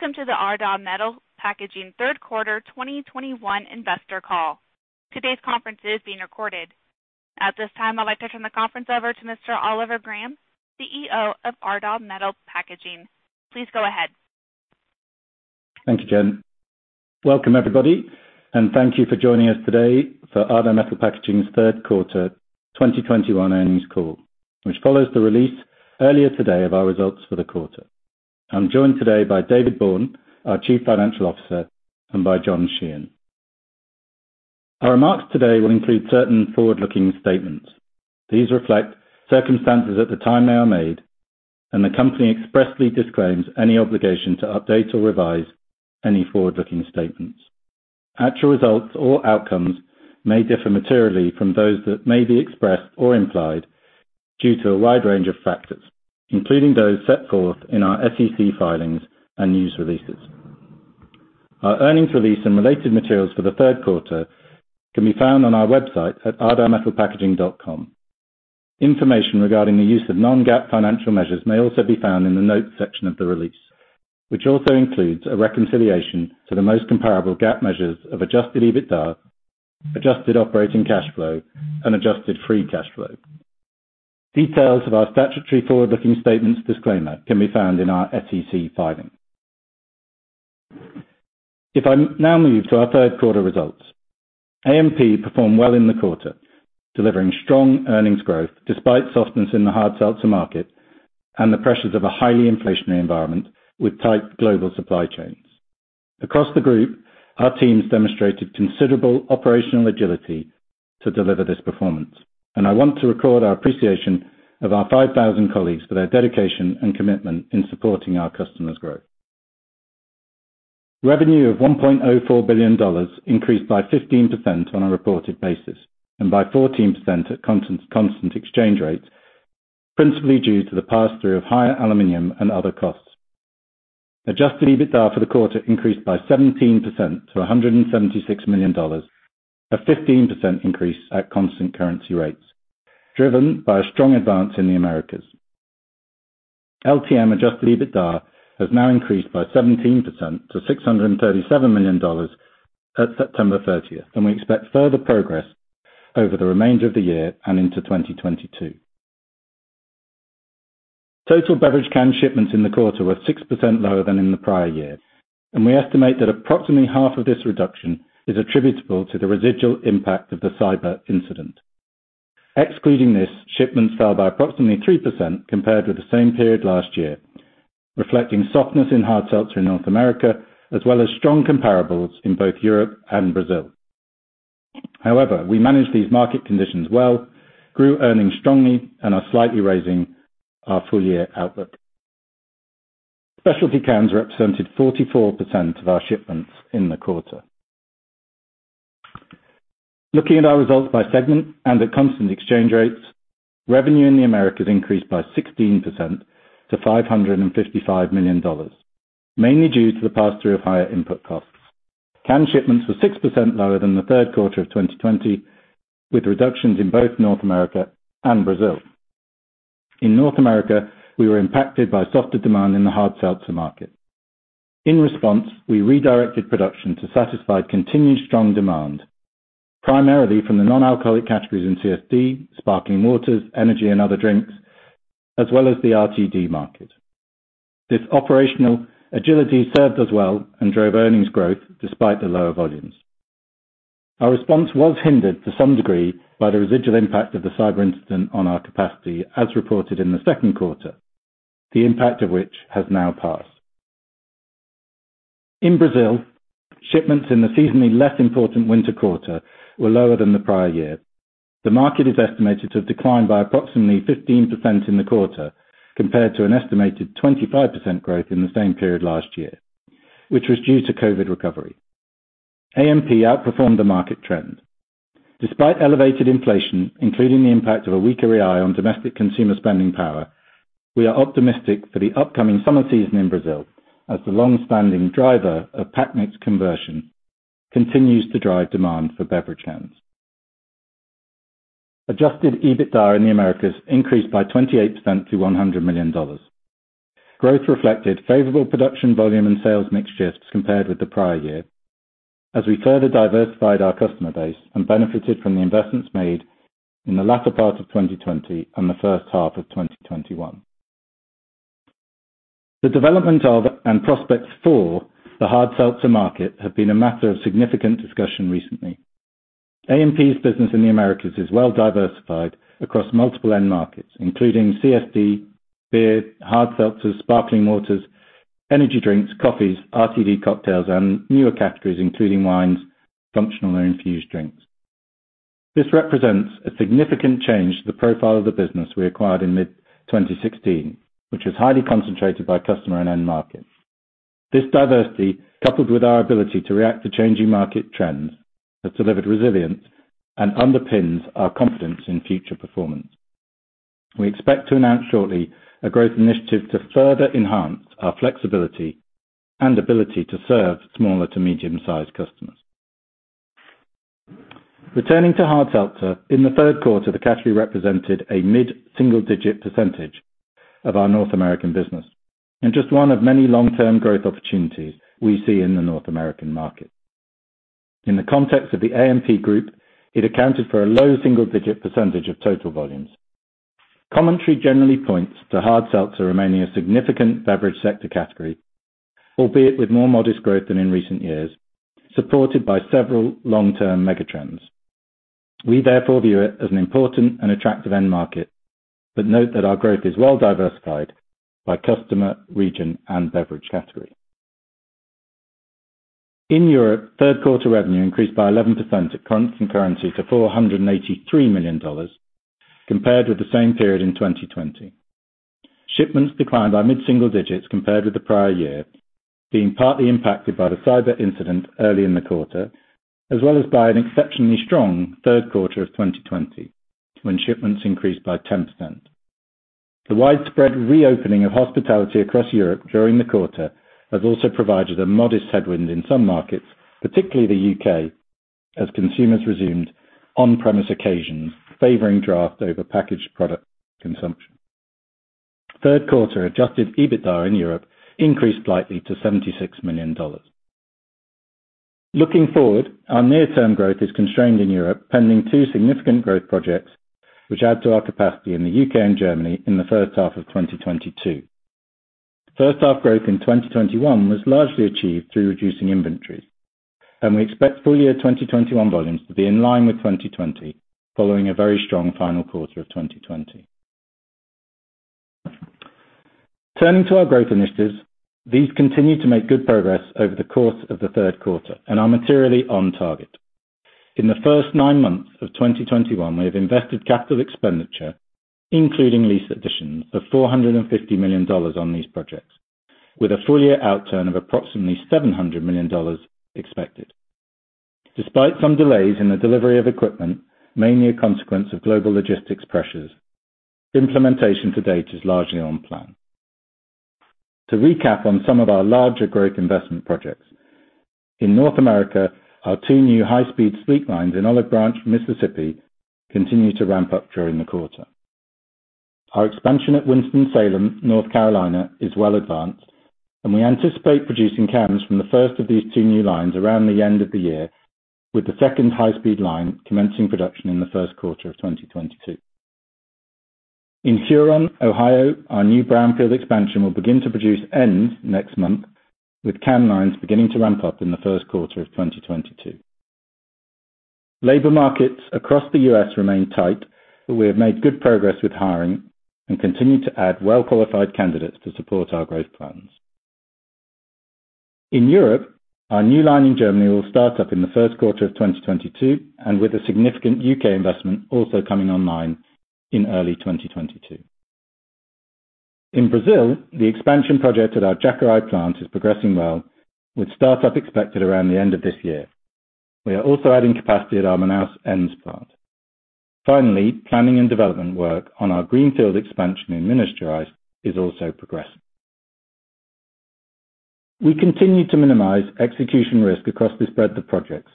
Welcome to the Ardagh Metal Packaging Q3 2021 Investor Call. Today's conference is being recorded. At this time, I'd like to turn the conference over to Mr. Oliver Graham, CEO of Ardagh Metal Packaging. Please go ahead. Thank you, Jen. Welcome everybody, and thank you for joining us today for Ardagh Metal Packaging's Q3 2021 Earnings Call, which follows the release earlier today of our results for the quarter. I'm joined today by David Bourne, our Chief Financial Officer, and by John Sheehan. Our remarks today will include certain forward-looking statements. These reflect circumstances at the time they are made, and the company expressly disclaims any obligation to update or revise any forward-looking statements. Actual results or outcomes may differ materially from those that may be expressed or implied due to a wide range of factors, including those set forth in our SEC filings and news releases. Our earnings release and related materials for the Q3 can be found on our website at ardaghmetalpackaging.com. Information regarding the use of non-GAAP financial measures may also be found in the notes section of the release, which also includes a reconciliation to the most comparable GAAP measures of Adjusted EBITDA, adjusted operating cash flow, and adjusted free cash flow. Details of our statutory forward-looking statements disclaimer can be found in our SEC filing. I'll now move to our Q3 results. AMP performed well in the quarter, delivering strong earnings growth despite softness in the hard seltzer market and the pressures of a highly inflationary environment with tight global supply chains. Across the group, our teams demonstrated considerable operational agility to deliver this performance, and I want to record our appreciation of our 5,000 colleagues for their dedication and commitment in supporting our customers' growth. Revenue of $1.04 billion increased by 15% on a reported basis and by 14% at constant exchange rates, principally due to the pass-through of higher aluminum and other costs. Adjusted EBITDA for the quarter increased by 17% to $176 million, a 15% increase at constant currency rates, driven by a strong advance in the Americas. LTM Adjusted EBITDA has now increased by 17% to $637 million at September 30, and we expect further progress over the remainder of the year and into 2022. Total beverage can shipments in the quarter were 6% lower than in the prior year, and we estimate that approximately half of this reduction is attributable to the residual impact of the cyber incident. Excluding this, shipments fell by approximately 3% compared with the same period last year, reflecting softness in hard seltzers in North America, as well as strong comparables in both Europe and Brazil. However, we managed these market conditions well, grew earnings strongly, and are slightly raising our full year outlook. Specialty cans represented 44% of our shipments in the quarter. Looking at our results by segment and at constant exchange rates, revenue in the Americas increased by 16% to $555 million, mainly due to the pass-through of higher input costs. Can shipments were 6% lower than the Q3 of 2020, with reductions in both North America and Brazil. In North America, we were impacted by softer demand in the hard seltzer market. In response, we redirected production to satisfy continued strong demand, primarily from the non-alcoholic categories in CSD, sparkling waters, energy and other drinks, as well as the RTD market. This operational agility served us well and drove earnings growth despite the lower volumes. Our response was hindered to some degree by the residual impact of the cyber incident on our capacity as reported in the Q2, the impact of which has now passed. In Brazil, shipments in the seasonally less important winter quarter were lower than the prior year. The market is estimated to have declined by approximately 15% in the quarter compared to an estimated 25% growth in the same period last year, which was due to COVID recovery. AMP outperformed the market trend. Despite elevated inflation, including the impact of a weaker real on domestic consumer spending power, we are optimistic for the upcoming summer season in Brazil as the long-standing driver of pack mix conversion continues to drive demand for beverage cans. Adjusted EBITDA in the Americas increased by 28% to $100 million. Growth reflected favorable production volume and sales mix shifts compared with the prior year as we further diversified our customer base and benefited from the investments made in the latter part of 2020 and the H1 of 2021. The development of and prospects for the hard seltzer market have been a matter of significant discussion recently. AMP's business in the Americas is well diversified across multiple end markets, including CSD, beer, hard seltzers, sparkling waters, energy drinks, coffees, RTD cocktails, and newer categories, including wines, functional and infused drinks. This represents a significant change to the profile of the business we acquired in mid-2016, which was highly concentrated by customer and end markets. This diversity, coupled with our ability to react to changing market trends, has delivered resilience and underpins our confidence in future performance. We expect to announce shortly a growth initiative to further enhance our flexibility and ability to serve smaller to medium-sized customers. Returning to hard seltzer, in the Q3, the category represented a mid-single-digit percentage of our North American business, and just one of many long-term growth opportunities we see in the North American market. In the context of the AMP group, it accounted for a low single-digit percentage of total volumes. Commentary generally points to hard seltzer remaining a significant beverage sector category, albeit with more modest growth than in recent years, supported by several long-term megatrends. We therefore view it as an important and attractive end market, but note that our growth is well diversified by customer, region, and beverage category. In Europe, Q3 revenue increased by 11% at constant currency to $483 million compared with the same period in 2020. Shipments declined by mid-single digits compared with the prior year, being partly impacted by the cyber incident early in the quarter, as well as by an exceptionally strong Q3 of 2020 when shipments increased by 10%. The widespread reopening of hospitality across Europe during the quarter has also provided a modest headwind in some markets, particularly the U.K., as consumers resumed on-premise occasions, favoring draft over packaged product consumption. Q3 Adjusted EBITDA in Europe increased slightly to $76 million. Looking forward, our near term growth is constrained in Europe, pending two significant growth projects which add to our capacity in the U.K. and Germany in the H1 of 2022. H1 growth in 2021 was largely achieved through reducing inventories, and we expect full year 2021 volumes to be in line with 2020, following a very strong final quarter of 2020. Turning to our growth initiatives, these continue to make good progress over the course of the Q3 and are materially on target. In the first nine months of 2021, we have invested capital expenditure, including lease additions, of $450 million on these projects, with a full year outturn of approximately $700 million expected. Despite some delays in the delivery of equipment, mainly a consequence of global logistics pressures, implementation to date is largely on plan. To recap on some of our larger growth investment projects, in North America, our two new high-speed sheet lines in Olive Branch, Mississippi, continue to ramp up during the quarter. Our expansion at Winston-Salem, North Carolina, is well advanced, and we anticipate producing cans from the first of these two new lines around the end of the year, with the second high-speed line commencing production in the Q1 of 2022. In Huron, Ohio, our new brownfield expansion will begin to produce ends next month, with can lines beginning to ramp up in the Q1 of 2022. Labor markets across the U.S. remain tight, but we have made good progress with hiring and continue to add well-qualified candidates to support our growth plans. In Europe, our new line in Germany will start up in the Q1 of 2022, and with a significant U.K. investment also coming online in early 2022. In Brazil, the expansion project at our Jacareí plant is progressing well with start up expected around the end of this year. We are also adding capacity at our Manaus ends plant. Finally, planning and development work on our greenfield expansion in Ministro Andreazza is also progressing. We continue to minimize execution risk across the spread of projects,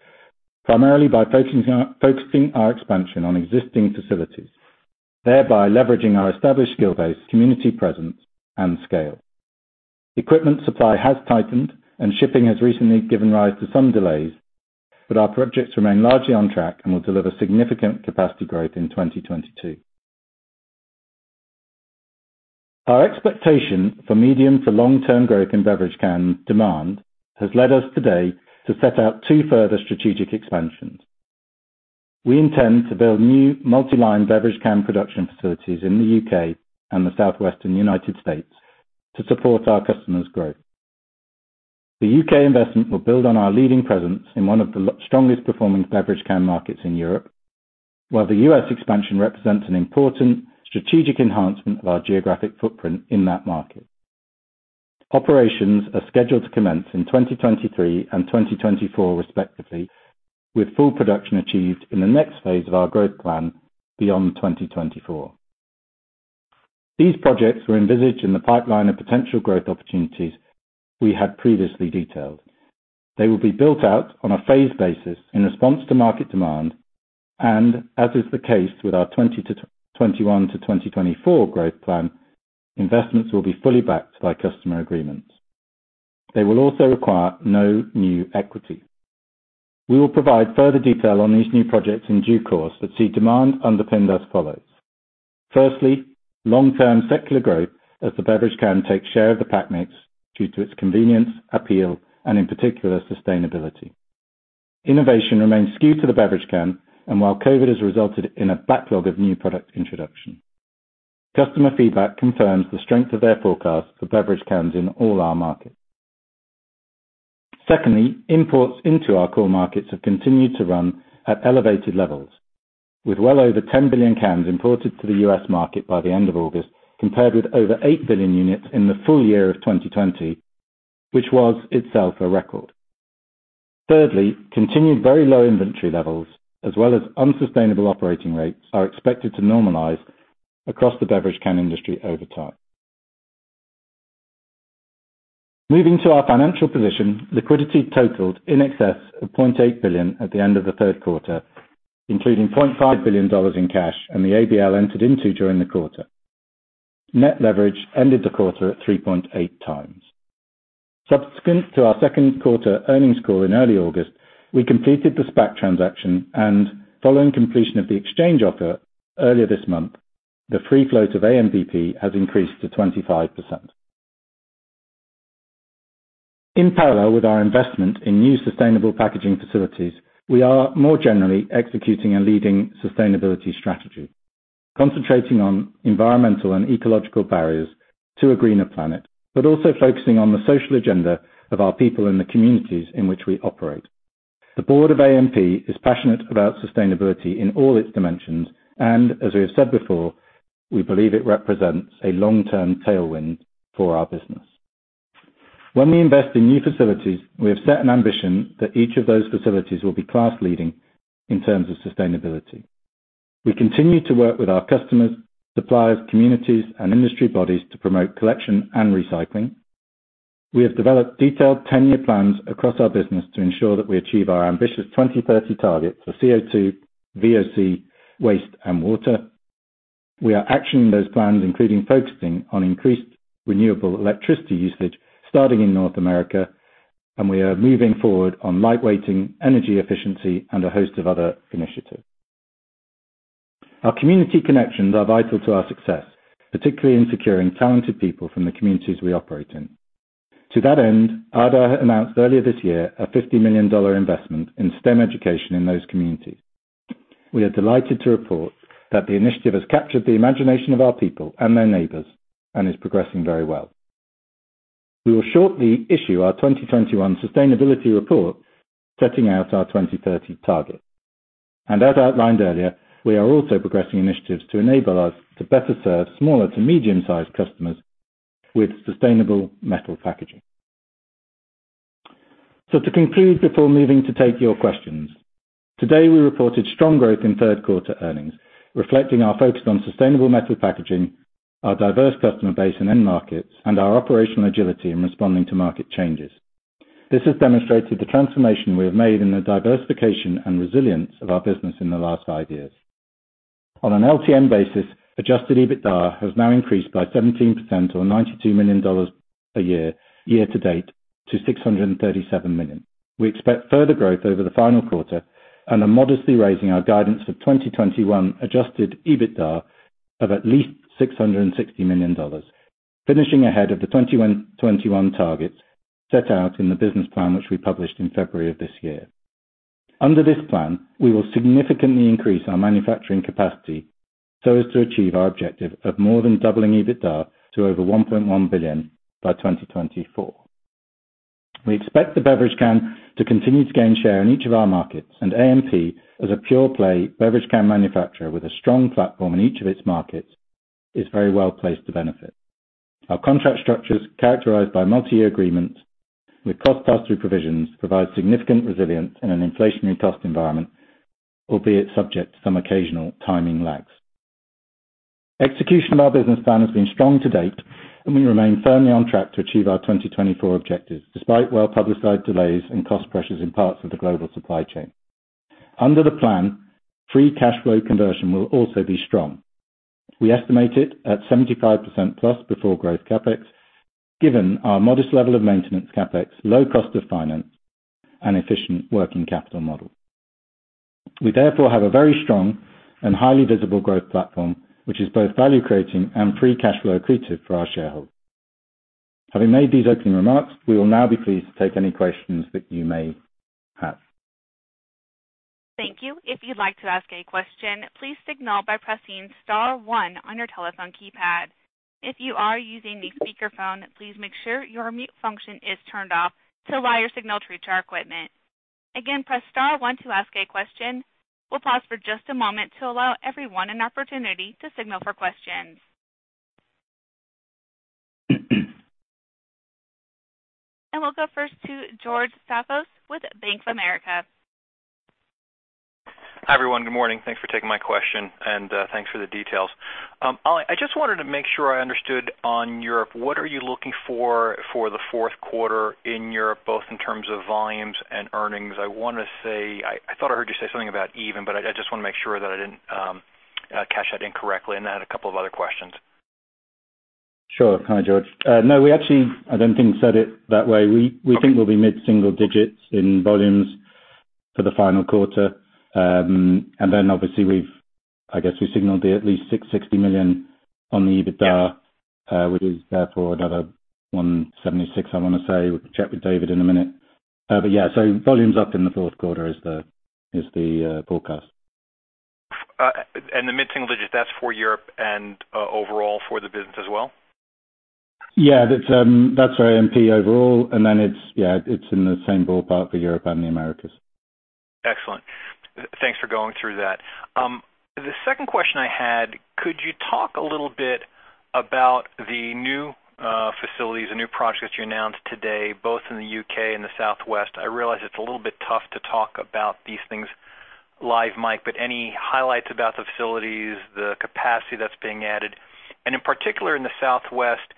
primarily by focusing our expansion on existing facilities, thereby leveraging our established skill base, community presence, and scale. Equipment supply has tightened and shipping has recently given rise to some delays, but our projects remain largely on track and will deliver significant capacity growth in 2022. Our expectation for medium- to long-term growth in beverage can demand has led us today to set out two further strategic expansions. We intend to build new multi-line beverage can production facilities in the U.K. and the southwestern U.S. to support our customers' growth. The U.K. investment will build on our leading presence in one of the strongest performing beverage can markets in Europe. The U.S. expansion represents an important strategic enhancement of our geographic footprint in that market. Operations are scheduled to commence in 2023 and 2024, respectively, with full production achieved in the next phase of our growth plan beyond 2024. These projects were envisaged in the pipeline of potential growth opportunities we had previously detailed. They will be built out on a phased basis in response to market demand and as is the case with our 2021 to 2024 growth plan, investments will be fully backed by customer agreements. They will also require no new equity. We will provide further detail on these new projects in due course, but see demand underpinned as follows. Firstly, long term secular growth as the beverage can take share of the pack mix due to its convenience, appeal and in particular, sustainability. Innovation remains skewed to the beverage can, and while COVID has resulted in a backlog of new product introduction, customer feedback confirms the strength of their forecast for beverage cans in all our markets. Secondly, imports into our core markets have continued to run at elevated levels, with well over 10 billion cans imported to the U.S. market by the end of August, compared with over 8 billion units in the full year of 2020, which was itself a record. Thirdly, continued very low inventory levels as well as unsustainable operating rates are expected to normalize across the beverage can industry over time. Moving to our financial position, liquidity totaled in excess of $0.8 billion at the end of the Q3, including $0.5 billion in cash and the ABL entered into during the quarter. Net leverage ended the quarter at 3.8x. Subsequent to our Q2 earnings call in early August, we completed the SPAC transaction and following completion of the exchange offer earlier this month, the free float of AMBP has increased to 25%. In parallel with our investment in new sustainable packaging facilities, we are more generally executing a leading sustainability strategy, concentrating on environmental and ecological barriers to a greener planet, but also focusing on the social agenda of our people in the communities in which we operate. The board of AMP is passionate about sustainability in all its dimensions, and as we have said before, we believe it represents a long-term tailwind for our business. When we invest in new facilities, we have set an ambition that each of those facilities will be class-leading in terms of sustainability. We continue to work with our customers, suppliers, communities, and industry bodies to promote collection and recycling. We have developed detailed 10-year plans across our business to ensure that we achieve our ambitious 2030 target for CO2, VOC, waste, and water. We are actioning those plans, including focusing on increased renewable electricity usage starting in North America, and we are moving forward on lightweighting, energy efficiency, and a host of other initiatives. Our community connections are vital to our success, particularly in securing talented people from the communities we operate in. To that end, Ardagh announced earlier this year a $50 million investment in STEM education in those communities. We are delighted to report that the initiative has captured the imagination of our people and their neighbors and is progressing very well. We will shortly issue our 2021 sustainability report setting out our 2030 target. As outlined earlier, we are also progressing initiatives to enable us to better serve small- to medium-sized customers with sustainable metal packaging. To conclude before moving to take your questions, today, we reported strong growth in Q3 earnings, reflecting our focus on sustainable metal packaging, our diverse customer base and end markets, and our operational agility in responding to market changes. This has demonstrated the transformation we have made in the diversification and resilience of our business in the last five years. On an LTM basis, Adjusted EBITDA has now increased by 17% or $92 million year-to-date to $637 million. We expect further growth over the final quarter and are modestly raising our guidance for 2021 Adjusted EBITDA of at least $660 million, finishing ahead of the 2021 targets set out in the business plan, which we published in February of this year. Under this plan, we will significantly increase our manufacturing capacity so as to achieve our objective of more than doubling EBITDA to over $1.1 billion by 2024. We expect the beverage can to continue to gain share in each of our markets, and AMP, as a pure play beverage can manufacturer with a strong platform in each of its markets, is very well placed to benefit. Our contract structures characterized by multi-year agreements with cost pass-through provisions provide significant resilience in an inflationary cost environment, albeit subject to some occasional timing lags. Execution of our business plan has been strong to date, and we remain firmly on track to achieve our 2024 objectives, despite well-publicized delays and cost pressures in parts of the global supply chain. Under the plan, free cash flow conversion will also be strong. We estimate it at 75%+ before growth CapEx, given our modest level of maintenance CapEx, low cost of finance, and efficient working capital model. We therefore have a very strong and highly visible growth platform, which is both value-creating and free cash flow accretive for our shareholders. Having made these opening remarks, we will now be pleased to take any questions that you may have. Thank you. If you'd like to ask any question, please signal by pressing star one on your telephone keypad. If you are using a speakerphone, please make sure your mute function is turned off to allow your signal to reach our equipment. Again, press star one to ask a question. We'll pause for just a moment to allow everyone an opportunity to signal for questions. We'll go first to George Staphos with Bank of America. Hi, everyone. Good morning. Thanks for taking my question, and thanks for the details. Oli, I just wanted to make sure I understood on Europe. What are you looking for for the Q4 in Europe, both in terms of volumes and earnings? I wanna say I thought I heard you say something about even, but I just wanna make sure that I didn't catch that incorrectly. I had a couple of other questions. Sure. Hi, George. No, we actually I don't think said it that way. We think we'll be mid-single digits in volumes for the final quarter. Obviously I guess we signaled at least $660 million on the EBITDA, which is therefore another $176 million, I wanna say. We'll chat with David in a minute. Yeah, so volumes up in the Q4 is the forecast. The mid-single digits, that's for Europe and overall for the business as well? Yeah. That's for AMP overall, and then it's in the same ballpark for Europe and the Americas. Excellent. Thanks for going through that. The second question I had, could you talk a little bit about the new facilities and new projects you announced today, both in the U.K. and the Southwest? I realize it's a little bit tough to talk about these things, live mic, but any highlights about the facilities, the capacity that's being added, and in particular in the Southwest,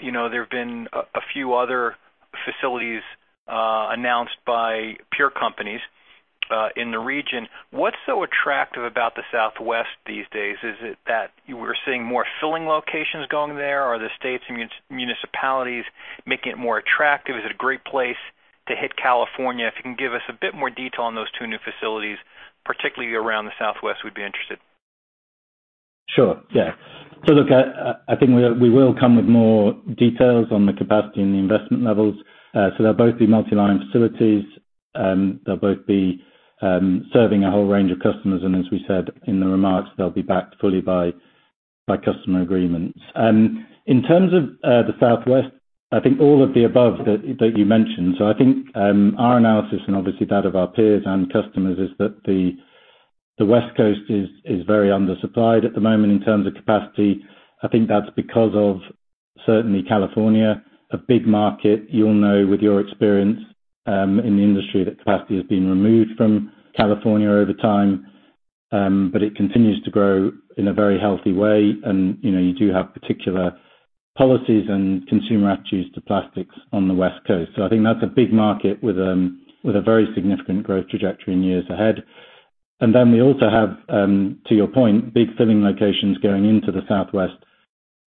you know, there have been a few other facilities announced by peer companies in the region. What's so attractive about the Southwest these days? Is it that you were seeing more filling locations going there? Are the states and municipalities making it more attractive? Is it a great place to hit California? If you can give us a bit more detail on those two new facilities, particularly around the Southwest, we'd be interested. Sure. Yeah. Look, I think we will come with more details on the capacity and the investment levels. They'll both be multi-line facilities. They'll both be serving a whole range of customers and as we said in the remarks, they'll be backed fully by customer agreements. In terms of the Southwest, I think all of the above that you mentioned. I think our analysis and obviously that of our peers and customers is that the West Coast is very undersupplied at the moment in terms of capacity. I think that's because, certainly, California, a big market. You'll know with your experience in the industry that capacity has been removed from California over time. It continues to grow in a very healthy way and, you know, you do have particular policies and consumer attitudes to plastics on the West Coast. I think that's a big market with a very significant growth trajectory in years ahead. Then we also have, to your point, big filling locations going into the Southwest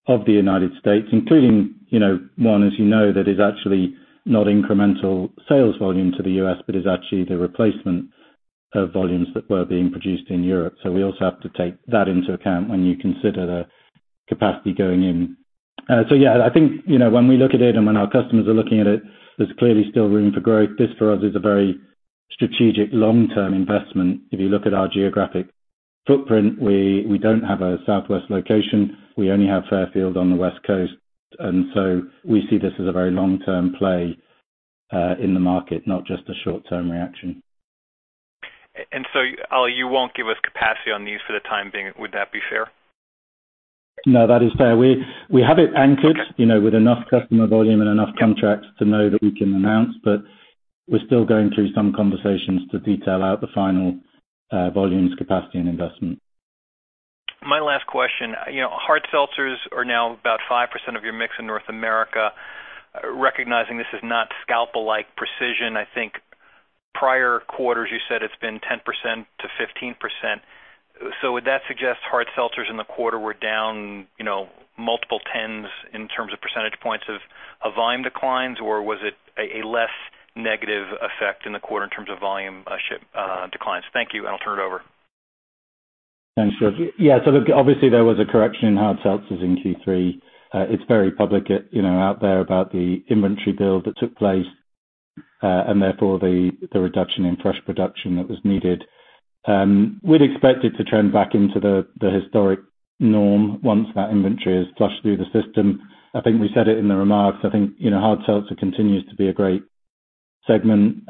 of the U.S., including, you know, one, as you know, that is actually not incremental sales volume to the U.S., but is actually the replacement of volumes that were being produced in Europe. We also have to take that into account when you consider the capacity going in. I think, you know, when we look at it and when our customers are looking at it, there's clearly still room for growth. This for us is a very strategic long-term investment. If you look at our geographic footprint, we don't have a Southwest location. We only have Fairfield on the West Coast. We see this as a very long-term play in the market, not just a short-term reaction. Oliver, you won't give us capacity on these for the time being. Would that be fair? No, that is fair. We have it anchored, you know, with enough customer volume and enough contracts to know that we can announce, but we're still going through some conversations to detail out the final volumes, capacity and investment. My last question. You know, hard seltzers are now about 5% of your mix in North America. Recognizing this is not scalpel-like precision, I think prior quarters you said it's been 10%-15%. Would that suggest hard seltzers in the quarter were down, you know, multiple tens in terms of percentage points of volume declines, or was it a less negative effect in the quarter in terms of volume declines? Thank you, and I'll turn it over. Thanks, George. Yeah. Look, obviously there was a correction in hard seltzers in Q3. It's very public, you know, out there about the inventory build that took place, and therefore the reduction in fresh production that was needed. We'd expect it to trend back into the historic norm once that inventory is flushed through the system. I think we said it in the remarks. I think, you know, hard seltzer continues to be a great segment.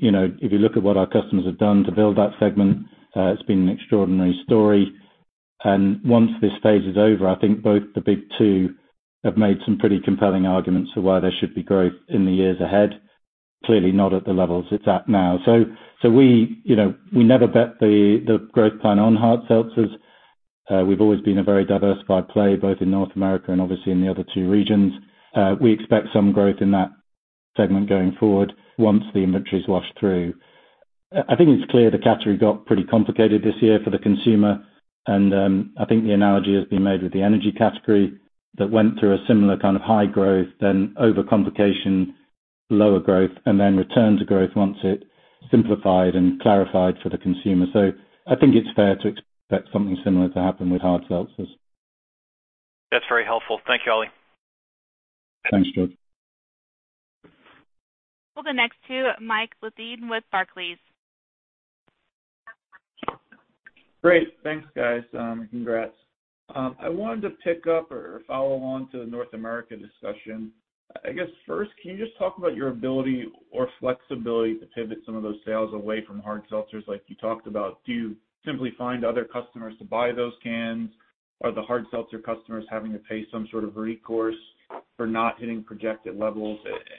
You know, if you look at what our customers have done to build that segment, it's been an extraordinary story. Once this phase is over, I think both the big two have made some pretty compelling arguments for why there should be growth in the years ahead. Clearly not at the levels it's at now. We, you know, we never bet the growth plan on hard seltzers. We've always been a very diversified play, both in North America and obviously in the other two regions. We expect some growth in that segment going forward once the inventory is washed through. I think it's clear the category got pretty complicated this year for the consumer, and I think the analogy has been made with the energy category that went through a similar kind of high growth, then overcomplication, lower growth, and then return to growth once it simplified and clarified for the consumer. I think it's fair to expect something similar to happen with hard seltzers. That's very helpful. Thank you, Oli. Thanks, George. We'll go next to Mike Leithead with Barclays. Great. Thanks, guys. Congrats. I wanted to pick up or follow on to the North America discussion. I guess first, can you just talk about your ability or flexibility to pivot some of those sales away from hard seltzers like you talked about? Do you simply find other customers to buy those cans? Are the hard seltzer customers having to pay some sort of recourse for not hitting projected levels?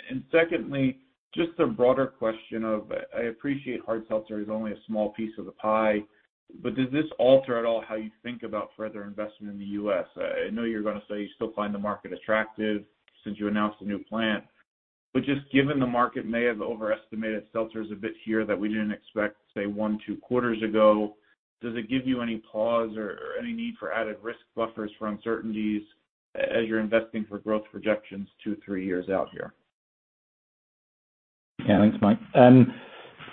And secondly, just a broader question of, I appreciate hard seltzer is only a small piece of the pie, but does this alter at all how you think about further investment in the U.S.? I know you're gonna say you still find the market attractive since you announced a new plant, but just given the market may have overestimated seltzers a bit here that we didn't expect, say, one, two quarters ago, does it give you any pause or any need for added risk buffers for uncertainties as you're investing for growth projections two, three years out here? Yeah. Thanks, Mike.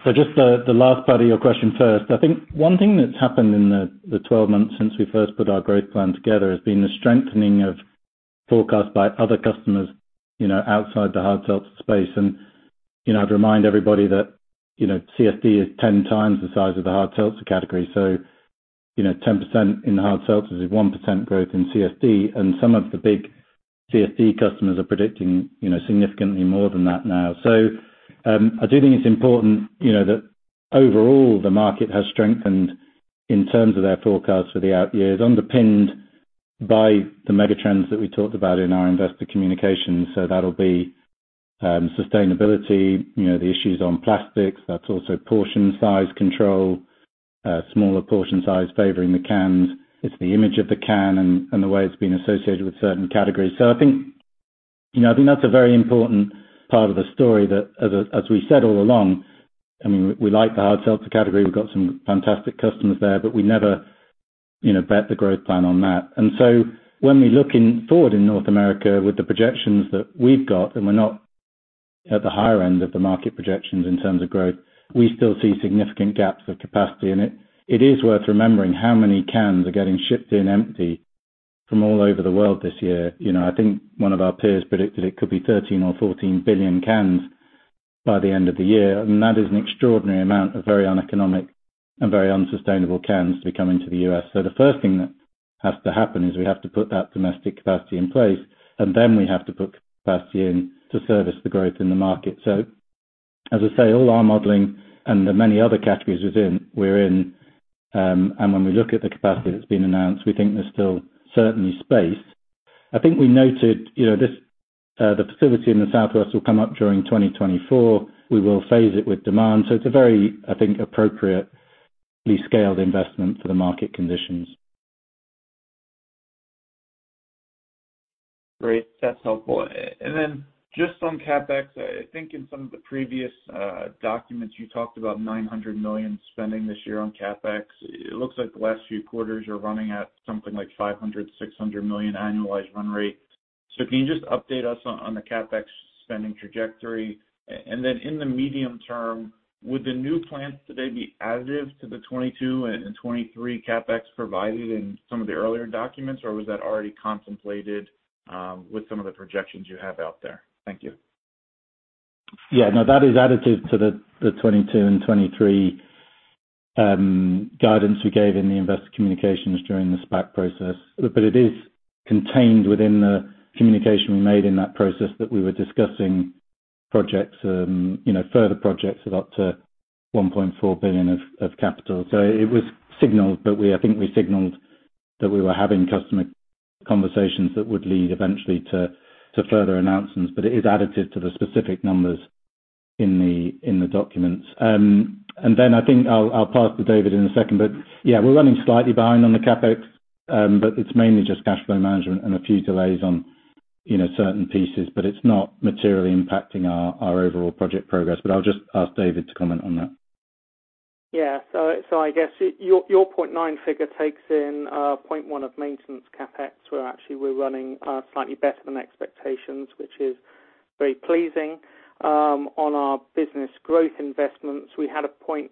Just the last part of your question first. I think one thing that's happened in the 12 months since we first put our growth plan together has been the strengthening of forecast by other customers, you know, outside the hard seltzer space. You know, I'd remind everybody that, you know, CSD is 10x the size of the hard seltzer category. You know, 10% in the hard seltzers is 1% growth in CSD, and some of the big CSD customers are predicting, you know, significantly more than that now. I do think it's important, you know, that overall the market has strengthened in terms of their forecast for the out years, underpinned by the mega trends that we talked about in our investor communications. Sustainability, you know, the issues on plastics, that's also portion size control, smaller portion size favoring the cans. It's the image of the can and the way it's been associated with certain categories. I think, you know, that's a very important part of the story that as we said all along, I mean, we like the hard seltzer category. We've got some fantastic customers there, but we never, you know, bet the growth plan on that. When we're looking forward in North America with the projections that we've got, and we're not at the higher end of the market projections in terms of growth, we still see significant gaps of capacity. It is worth remembering how many cans are getting shipped in empty from all over the world this year. You know, I think one of our peers predicted it could be 13 or 14 billion cans by the end of the year. That is an extraordinary amount of very uneconomic and very unsustainable cans to be coming to the U.S.. The first thing that has to happen is we have to put that domestic capacity in place, and then we have to put capacity in to service the growth in the market. As I say, all our modeling and the many other categories is in, and when we look at the capacity that's been announced, we think there's still certainly space. I think we noted, you know, this, the facility in the Southwest will come up during 2024. We will phase it with demand. It's a very, I think, appropriately scaled investment for the market conditions. Great. That's helpful. Just on CapEx, I think in some of the previous documents you talked about $900 million spending this year on CapEx. It looks like the last few quarters you're running at something like $500 million-$600 million annualized run rate. Can you just update us on the CapEx spending trajectory? In the medium term, would the new plants today be additive to the 2022 and 2023 CapEx provided in some of the earlier documents, or was that already contemplated with some of the projections you have out there? Thank you. Yeah. No, that is additive to the 2022 and 2023 guidance we gave in the investor communications during the SPAC process. It is contained within the communication we made in that process that we were discussing projects, you know, further projects of up to $1.4 billion of capital. It was signaled, but I think we signaled that we were having customer conversations that would lead eventually to further announcements, but it is additive to the specific numbers in the documents. I think I'll pass to David in a second, but yeah, we're running slightly behind on the CapEx, but it's mainly just cash flow management and a few delays on, you know, certain pieces, but it's not materially impacting our overall project progress. I'll just ask David to comment on that. Yeah. I guess your 0.9 figure takes in 0.1 of maintenance CapEx, where actually we're running slightly better than expectations, which is very pleasing. On our business growth investments, we had a $0.8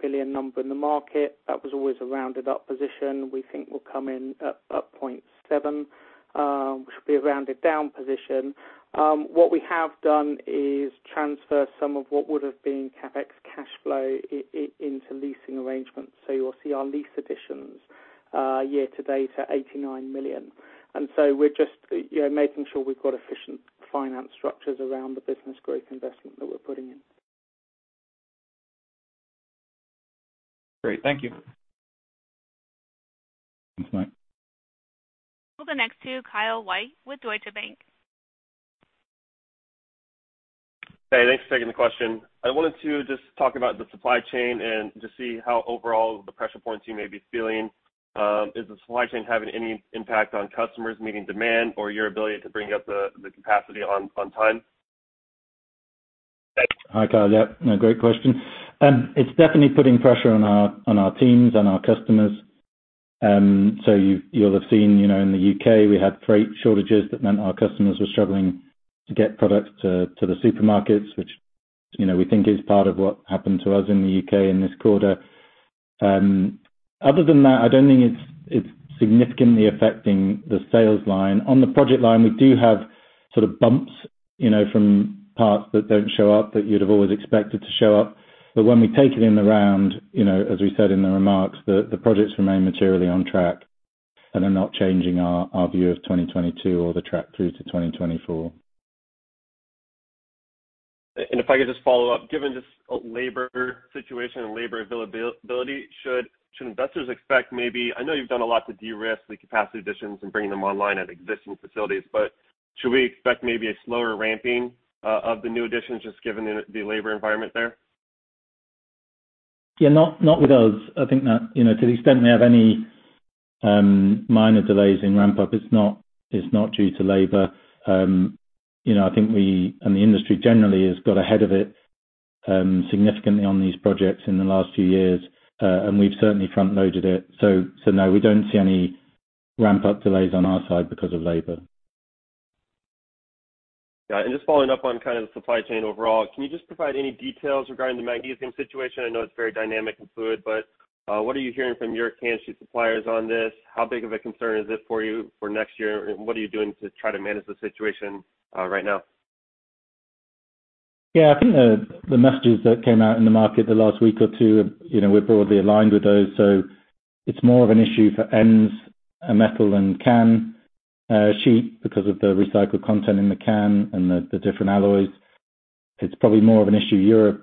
billion number in the market. That was always a rounded up position. We think we'll come in at 0.7, which will be a rounded down position. What we have done is transfer some of what would have been CapEx cash flow into leasing arrangements. You'll see our lease additions year to date at $89 million. We're just, you know, making sure we've got efficient finance structures around the business growth investment that we're putting in. Great. Thank you. Thanks, Mike. We'll go next to Kyle White with Deutsche Bank. Hey, thanks for taking the question. I wanted to just talk about the supply chain and just see how overall the pressure points you may be feeling. Is the supply chain having any impact on customers meeting demand or your ability to bring up the capacity on time? Thanks. Hi, Kyle. Yeah. No, great question. It's definitely putting pressure on our teams, on our customers. So you'll have seen, you know, in the U.K., we had freight shortages that meant our customers were struggling to get products to the supermarkets, which, you know, we think is part of what happened to us in the U.K. in this quarter. Other than that, I don't think it's significantly affecting the sales line. On the project line, we do have sort of bumps, you know, from parts that don't show up that you'd have always expected to show up. When we take it in the round, you know, as we said in the remarks, the projects remain materially on track and are not changing our view of 2022 or the track through to 2024. If I could just follow up, given the labor situation and labor availability, should investors expect maybe, I know you've done a lot to de-risk the capacity additions and bringing them online at existing facilities, but should we expect a slower ramping of the new additions just given the labor environment there? Yeah. Not with us. I think that, you know, to the extent we have any minor delays in ramp-up, it's not due to labor. You know, I think we, and the industry generally has got ahead of it significantly on these projects in the last few years, and we've certainly front-loaded it. No, we don't see any ramp-up delays on our side because of labor. Got it. Just following up on kind of the supply chain overall, can you just provide any details regarding the magnesium situation? I know it's very dynamic and fluid, but what are you hearing from your can sheet suppliers on this? How big of a concern is it for you for next year, and what are you doing to try to manage the situation right now? Yeah. I think the messages that came out in the market the last week or two, you know, we're broadly aligned with those. It's more of an issue for ends, metal and can sheet because of the recycled content in the can and the different alloys. It's probably more of an issue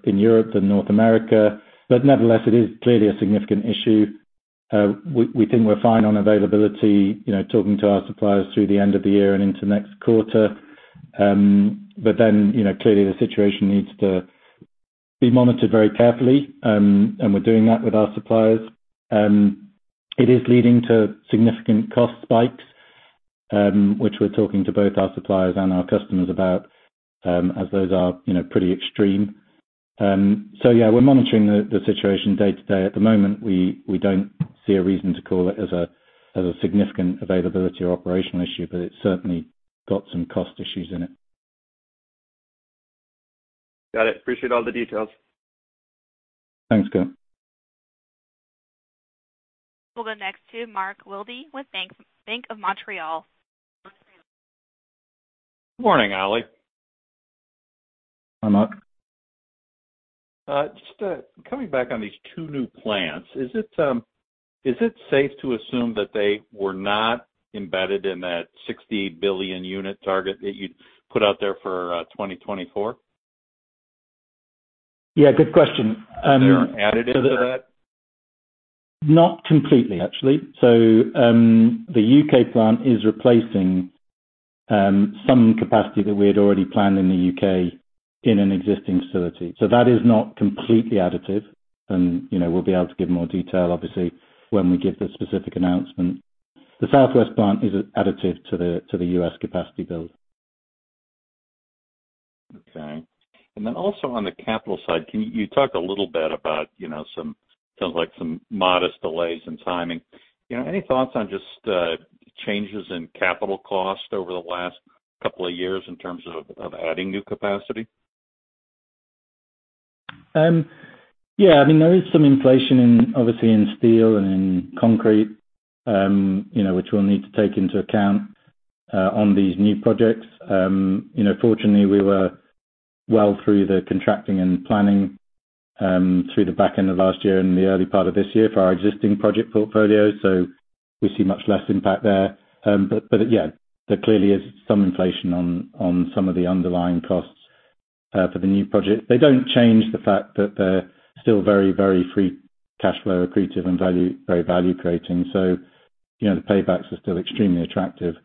in Europe than North America, but nevertheless, it is clearly a significant issue. We think we're fine on availability, you know, talking to our suppliers through the end of the year and into next quarter. Clearly the situation needs to be monitored very carefully, and we're doing that with our suppliers. It is leading to significant cost spikes, which we're talking to both our suppliers and our customers about, as those are, you know, pretty extreme. Yeah, we're monitoring the situation day-to-day. At the moment, we don't see a reason to call it as a significant availability or operational issue, but it's certainly got some cost issues in it. Got it. Appreciate all the details. Thanks, Kyle. We'll go next to Mark Wilde with Bank of Montreal. Morning, Oli. Hi, Mark. Just coming back on these two new plants. Is it safe to assume that they were not embedded in that 60 billion unit target that you'd put out there for 2024? Yeah, good question. They aren't added into that? Not completely, actually. The U.K. plant is replacing some capacity that we had already planned in the U.K. in an existing facility. That is not completely additive and, you know, we'll be able to give more detail, obviously, when we give the specific announcement. The Southwest plant is additive to the U.S. capacity build. Okay. Also on the capital side, can you talk a little bit about, you know, some sounds like some modest delays in timing. You know, any thoughts on just changes in capital cost over the last couple of years in terms of adding new capacity? Yeah, I mean, there is some inflation in, obviously in steel and in concrete, you know, which we'll need to take into account on these new projects. You know, fortunately, we were well through the contracting and planning through the back end of last year and the early part of this year for our existing project portfolio, so we see much less impact there. Yeah, there clearly is some inflation on some of the underlying costs for the new project. They don't change the fact that they're still very free cash flow accretive and very value creating. You know, the paybacks are still extremely attractive.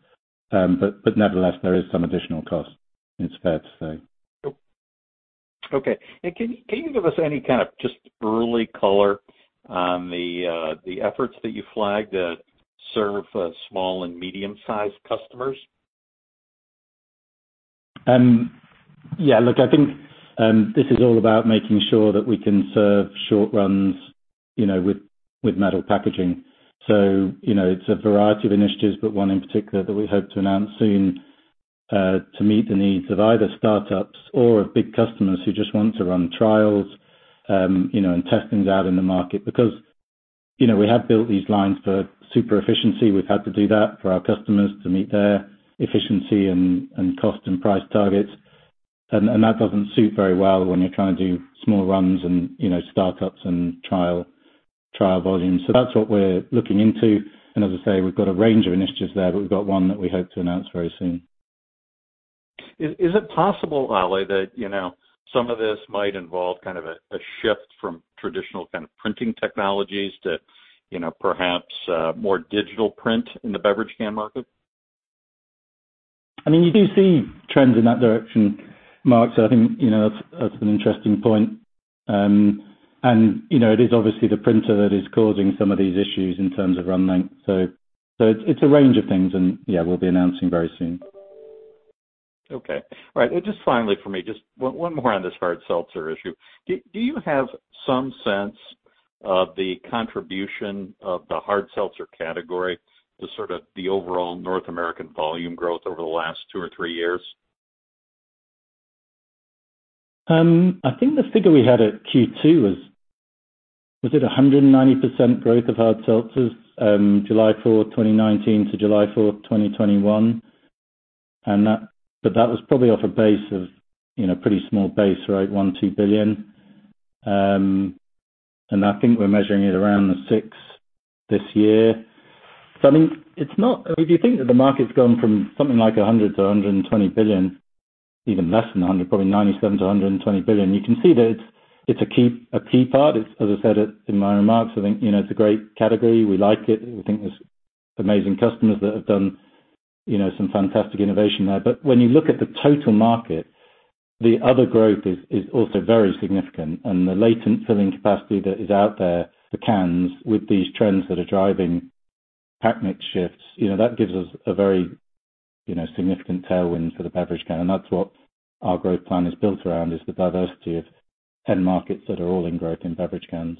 Nevertheless, there is some additional cost, it's fair to say. Okay. Can you give us any kind of just early color on the efforts that you flagged that serve small and medium-sized customers? Yeah, look, I think this is all about making sure that we can serve short runs, you know, with metal packaging. You know, it's a variety of initiatives, but one in particular that we hope to announce soon to meet the needs of either startups or of big customers who just want to run trials, you know, and test things out in the market. Because, you know, we have built these lines for super efficiency. We've had to do that for our customers to meet their efficiency and cost and price targets. That doesn't suit very well when you're trying to do small runs and, you know, startups and trial volumes. That's what we're looking into. As I say, we've got a range of initiatives there, but we've got one that we hope to announce very soon. Is it possible, Oli, that you know, some of this might involve kind of a shift from traditional kind of printing technologies to, you know, perhaps, more digital print in the beverage can market? I mean, you do see trends in that direction, Mark, so I think, you know, that's an interesting point. You know, it is obviously the printer that is causing some of these issues in terms of run length. It's a range of things and yeah, we'll be announcing very soon. Okay. All right. Just finally for me, just one more on this hard seltzer issue. Do you have some sense of the contribution of the hard seltzer category to sort of the overall North American volume growth over the last two or three years? I think the figure we had at Q2 was it 190% growth of hard seltzers, July 4th, 2019 to July 4th, 2021. That was probably off a base of, you know, pretty small base, right? $1 billion-$2 billion. I think we're measuring it around the $6 billion this year. I mean, it's not. If you think that the market's gone from something like $100 billion-$120 billion, even less than $100 billion, probably $97 billion-$120 billion, you can see that it's a key part. It's as I said it in my remarks, I think, you know, it's a great category. We like it. We think there's amazing customers that have done, you know, some fantastic innovation there. When you look at the total market, the other growth is also very significant. The latent filling capacity that is out there for cans with these trends that are driving pack mix shifts, you know, that gives us a very, you know, significant tailwind for the beverage can. That's what our growth plan is built around, is the diversity of end markets that are all in growth in beverage cans.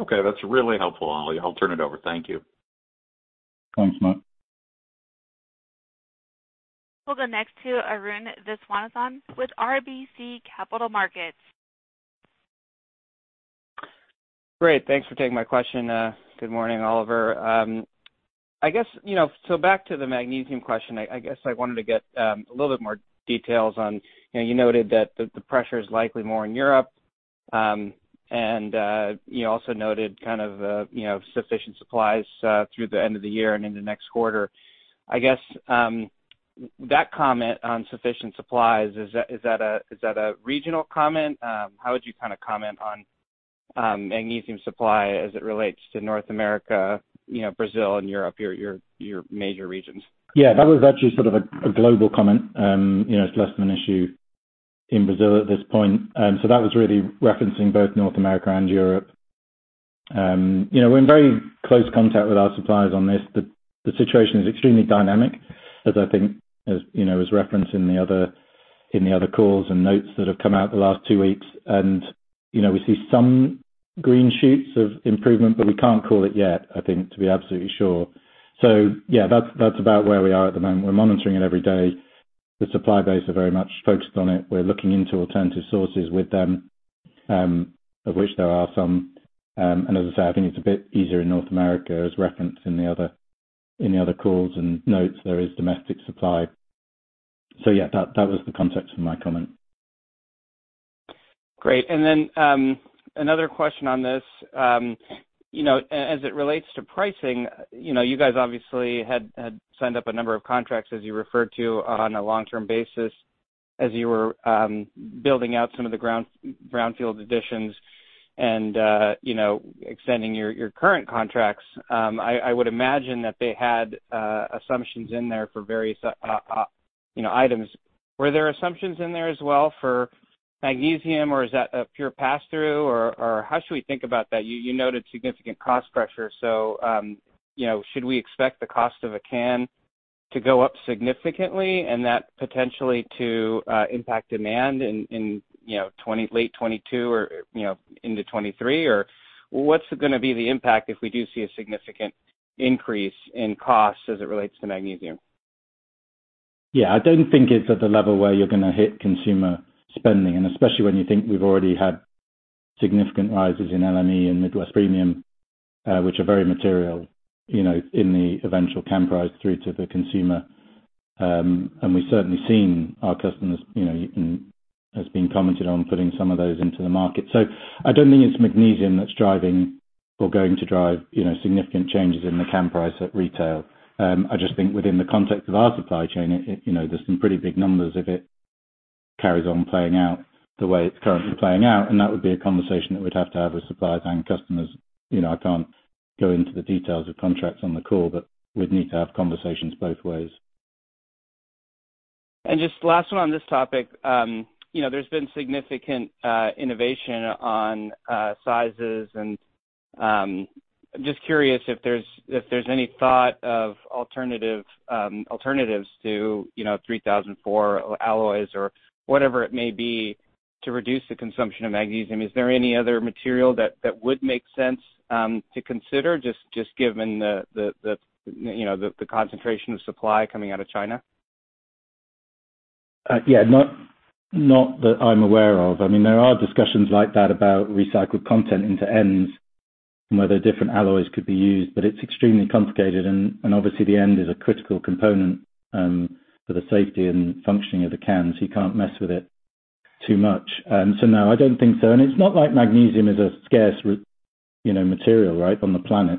Okay, that's really helpful, Oli. I'll turn it over. Thank you. Thanks, Mark. We'll go next to Arun Viswanathan with RBC Capital Markets. Great. Thanks for taking my question. Good morning, Oliver. I guess, you know, so back to the magnesium question, I guess I wanted to get a little bit more details on, you know, you noted that the pressure is likely more in Europe. You also noted sufficient supplies through the end of the year and into next quarter. I guess that comment on sufficient supplies, is that a regional comment? How would you comment on magnesium supply as it relates to North America, you know, Brazil and Europe, your major regions? Yeah, that was actually sort of a global comment. You know, it's less of an issue in Brazil at this point. That was really referencing both North America and Europe. You know, we're in very close contact with our suppliers on this. The situation is extremely dynamic, as I think, as you know, as referenced in the other calls and notes that have come out the last two weeks. You know, we see some green shoots of improvement, but we can't call it yet, I think, to be absolutely sure. Yeah, that's about where we are at the moment. We're monitoring it every day. The supply base are very much focused on it. We're looking into alternative sources with them, of which there are some. As I say, I think it's a bit easier in North America, as referenced in the other calls and notes, there is domestic supply. Yeah, that was the context for my comment. Great. Another question on this. You know, as it relates to pricing, you know, you guys obviously had signed up a number of contracts as you referred to on a long-term basis as you were building out some of the brownfield additions and you know, extending your current contracts. I would imagine that they had assumptions in there for various you know, items. Were there assumptions in there as well for magnesium, or is that a pure pass-through, or how should we think about that? You noted significant cost pressure, so you know, should we expect the cost of a can to go up significantly and that potentially to impact demand in you know, late 2022 or you know, into 2023? What's gonna be the impact if we do see a significant increase in costs as it relates to magnesium? Yeah. I don't think it's at the level where you're gonna hit consumer spending, and especially when you think we've already had significant rises in LME and Midwest Premium, which are very material, you know, in the eventual can price through to the consumer. We've certainly seen our customers, you know, putting some of those into the market. I don't think it's magnesium that's driving or going to drive, you know, significant changes in the can price at retail. I just think within the context of our supply chain, it, you know, there's some pretty big numbers if it carries on playing out the way it's currently playing out, and that would be a conversation that we'd have to have with suppliers and customers. You know, I can't go into the details of contracts on the call, but we'd need to have conversations both ways. Just last one on this topic. You know, there's been significant innovation on sizes and just curious if there's any thought of alternatives to, you know, 3004 alloys or whatever it may be to reduce the consumption of magnesium. Is there any other material that would make sense to consider just given the, you know, the concentration of supply coming out of China? Yeah, not that I'm aware of. I mean, there are discussions like that about recycled content into ends and whether different alloys could be used. It's extremely complicated and obviously the end is a critical component for the safety and functioning of the can, so you can't mess with it too much. No, I don't think so. It's not like magnesium is a scarce, you know, material, right, on the planet.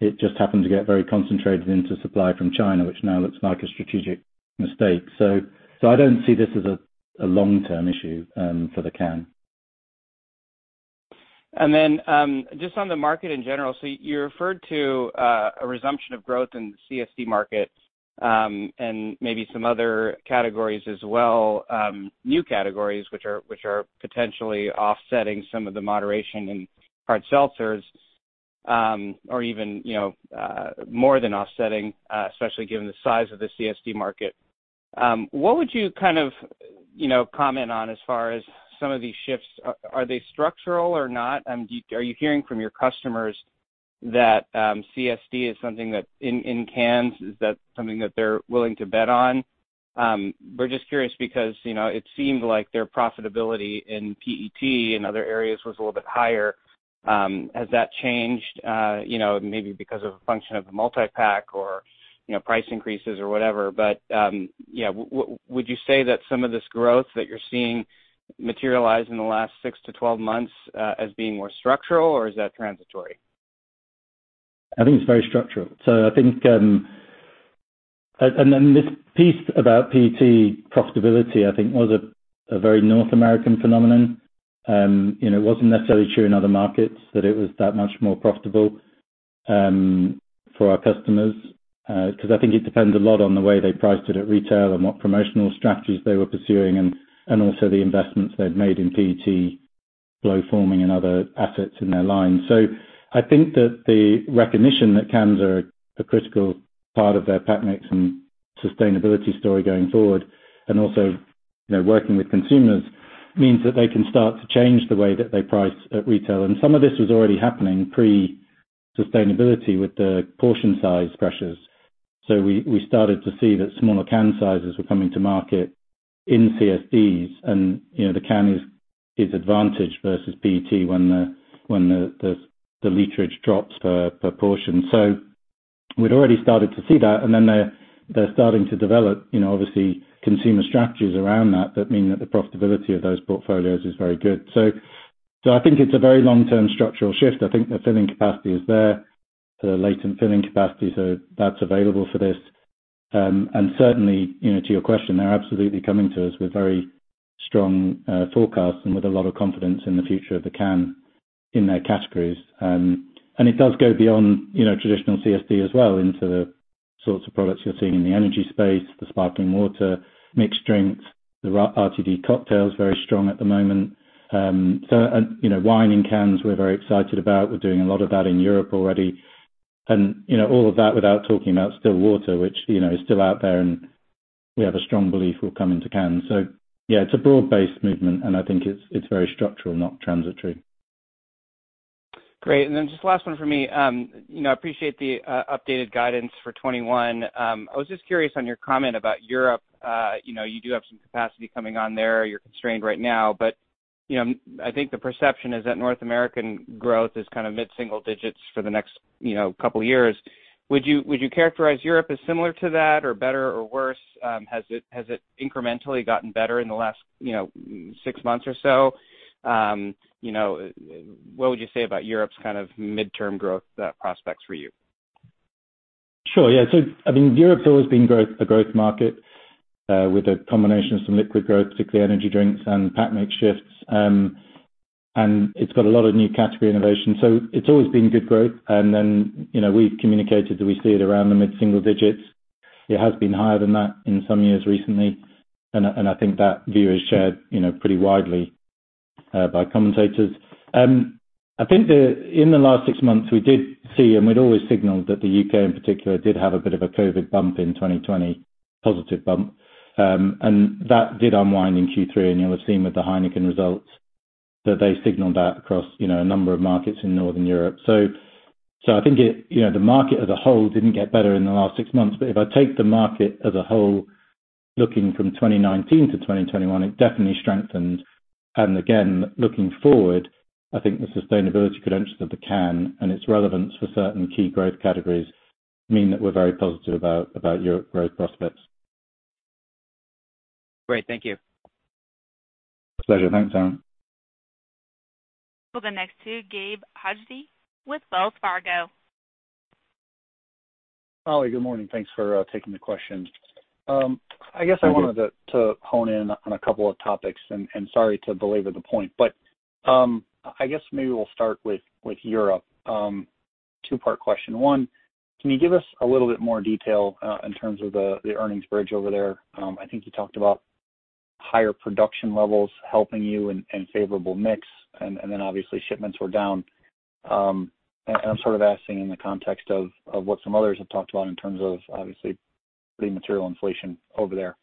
It just happened to get very concentrated into supply from China, which now looks like a strategic mistake. I don't see this as a long-term issue for the can. Just on the market in general. So you referred to a resumption of growth in the CSD market, and maybe some other categories as well, new categories which are potentially offsetting some of the moderation in hard seltzers, or even, you know, more than offsetting, especially given the size of the CSD market. What would you kind of, you know, comment on as far as some of these shifts? Are they structural or not? Are you hearing from your customers that CSD is something that in cans, is that something that they're willing to bet on? We're just curious because, you know, it seemed like their profitability in PET and other areas was a little bit higher. Has that changed, you know, maybe because of a function of the multi-pack or, you know, price increases or whatever? Would you say that some of this growth that you're seeing materialize in the last 6-12 months as being more structural, or is that transitory? I think it's very structural. I think and then this piece about PET profitability, I think was a very North American phenomenon. You know, it wasn't necessarily true in other markets that it was that much more profitable for our customers, 'cause I think it depends a lot on the way they priced it at retail and what promotional strategies they were pursuing and also the investments they'd made in PET blow molding and other assets in their line. I think that the recognition that cans are a critical part of their pack mix and sustainability story going forward, and also, you know, working with consumers means that they can start to change the way that they price at retail. Some of this was already happening pre-sustainability with the portion size pressures. We started to see that smaller can sizes were coming to market in CSDs and, you know, the can is advantaged versus PET when the literage drops per portion. We'd already started to see that, and then they're starting to develop, you know, obviously consumer strategies around that that mean that the profitability of those portfolios is very good. I think it's a very long-term structural shift. I think the filling capacity is there, the latent filling capacity, so that's available for this. Certainly, you know, to your question, they're absolutely coming to us with very strong forecasts and with a lot of confidence in the future of the can in their categories. It does go beyond, you know, traditional CSD as well into the sorts of products you're seeing in the energy space, the sparkling water, mixed drinks, the RTD cocktails, very strong at the moment. You know, wine in cans we're very excited about. We're doing a lot of that in Europe already. You know, all of that without talking about still water, which, you know, is still out there, and we have a strong belief will come into cans. Yeah, it's a broad-based movement, and I think it's very structural, not transitory. Great. Just last one for me. You know, I appreciate the updated guidance for 2021. I was just curious on your comment about Europe. You know, you do have some capacity coming on there. You're constrained right now, but you know, I think the perception is that North American growth is kind of mid-single digits for the next couple years. Would you characterize Europe as similar to that or better or worse? Has it incrementally gotten better in the last six months or so? You know, what would you say about Europe's kind of midterm growth prospects for you? Sure. Yeah. I mean, Europe's always been a growth market with a combination of some volume growth, particularly energy drinks and pack mix shifts. It's got a lot of new category innovation. It's always been good growth. We've communicated that we see it around the mid-single digits. It has been higher than that in some years recently, and I think that view is shared pretty widely by commentators. I think in the last six months, we did see, and we'd always signaled that the U.K. in particular did have a bit of a COVID bump in 2020, positive bump. That did unwind in Q3, and you'll have seen with the Heineken results that they signaled that across a number of markets in Northern Europe. I think it, you know, the market as a whole didn't get better in the last six months. If I take the market as a whole looking from 2019 to 2021, it definitely strengthened. Looking forward, I think the sustainability credentials of the can and its relevance for certain key growth categories mean that we're very positive about Europe growth prospects. Great. Thank you. Pleasure. Thanks, Arun. We'll go next to Gabe Hajde with Wells Fargo. Oliver, good morning. Thanks for taking the questions. I guess I wanted to hone in on a couple of topics, and sorry to belabor the point. I guess maybe we'll start with Europe. Two-part question. One, can you give us a little bit more detail in terms of the earnings bridge over there? I think you talked about higher production levels helping you and favorable mix, and then obviously shipments were down. I'm sort of asking in the context of what some others have talked about in terms of obviously the material inflation over there.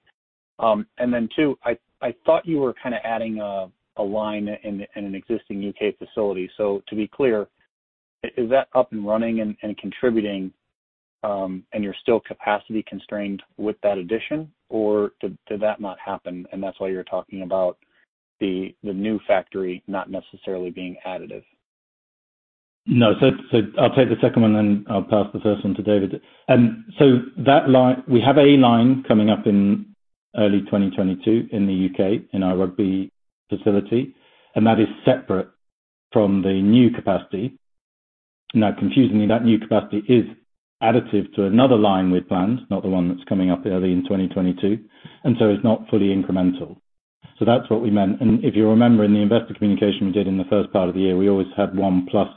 And then two, I thought you were kinda adding a line in an existing U.K. facility. So to be clear, is that up and running and contributing, and you're still capacity constrained with that addition? Did that not happen and that's why you're talking about the new factory not necessarily being additive? No. I'll take the second one, and then I'll pass the first one to David. That line, we have a line coming up in early 2022 in the U.K. in our Rugby facility, and that is separate from the new capacity. Now, confusingly, that new capacity is additive to another line we'd planned, not the one that's coming up early in 2022, and so it's not fully incremental. That's what we meant. If you remember in the investor communication we did in the first part of the year, we always had one-plus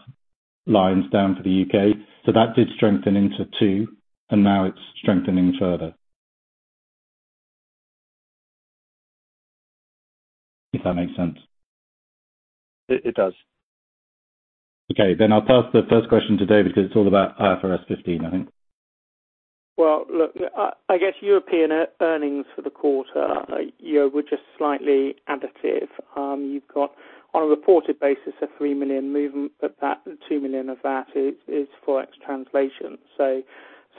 lines down for the U.K.. That did strengthen into two, and now it's strengthening further. If that makes sense. It does. Okay. I'll pass the first question to David, because it's all about IFRS 15, I think. Well, look, I guess European earnings for the quarter, you know, were just slightly additive. You've got, on a reported basis, a $3 million movement, but that $2 million of that is Forex translation.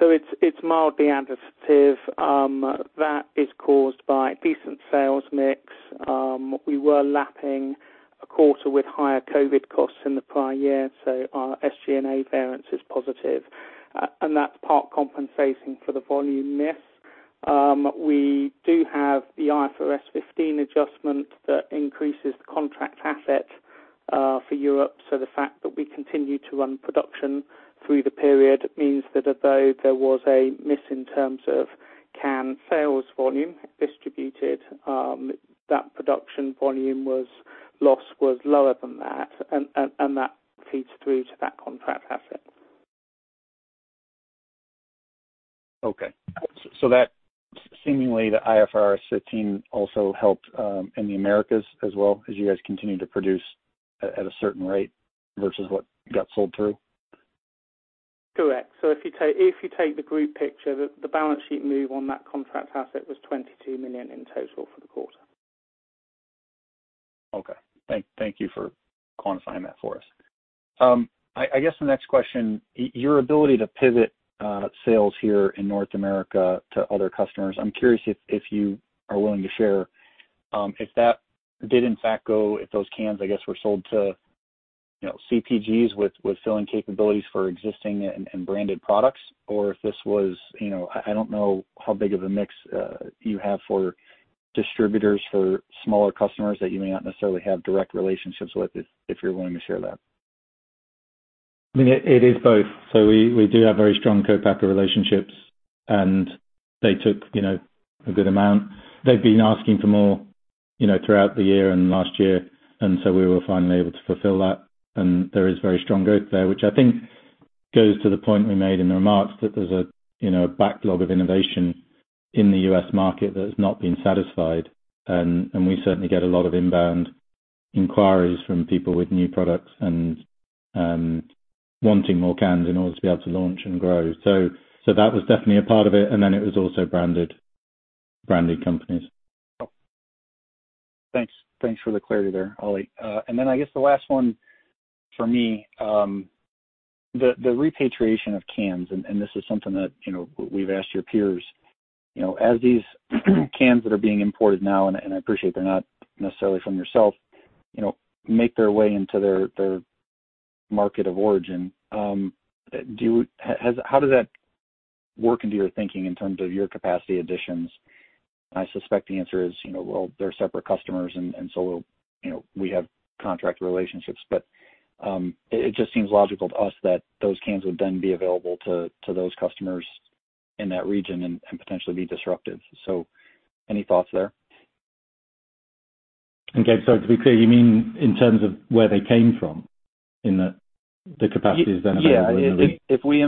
It's mildly additive. That is caused by decent sales mix. We were lapping a quarter with higher COVID costs in the prior year, so our SG&A variance is positive. That's part compensating for the volume miss. We do have the IFRS 15 adjustment that increases the contract asset for Europe. The fact that we continue to run production through the period means that although there was a miss in terms of can sales volume distributed, that production volume loss was lower than that, and that feeds through to that contract asset. That seemingly the IFRS 15 also helped in the Americas as well, as you guys continued to produce at a certain rate versus what got sold through? Correct. If you take the group picture, the balance sheet move on that contract asset was $22 million in total for the quarter. Okay. Thank you for quantifying that for us. I guess the next question, your ability to pivot sales here in North America to other customers. I'm curious if you are willing to share if that did in fact go, if those cans, I guess, were sold to, you know, CPGs with filling capabilities for existing and branded products or if this was, you know, I don't know how big of a mix you have for distributors for smaller customers that you may not necessarily have direct relationships with if you're willing to share that. I mean, it is both. We do have very strong co-packer relationships, and they took, you know, a good amount. They've been asking for more, you know, throughout the year and last year, and we were finally able to fulfill that. There is very strong growth there, which I think goes to the point we made in the remarks that there's a, you know, a backlog of innovation in the U.S. market that has not been satisfied. We certainly get a lot of inbound inquiries from people with new products and wanting more cans in order to be able to launch and grow. That was definitely a part of it, and then it was also branded companies. Thanks. Thanks for the clarity there, Oli. And then I guess the last one for me, the repatriation of cans, and this is something that, you know, we've asked your peers. You know, as these cans that are being imported now, and I appreciate they're not necessarily from yourself, you know, make their way into their market of origin, how does that work into your thinking in terms of your capacity additions? I suspect the answer is, you know, well, they're separate customers and so we'll, you know, we have contract relationships. It just seems logical to us that those cans would then be available to those customers in that region and potentially be disruptive. Any thoughts there? Do we clearly mean in terms of where they came from in that the capacity is then available in the? Yeah. If we. Yeah.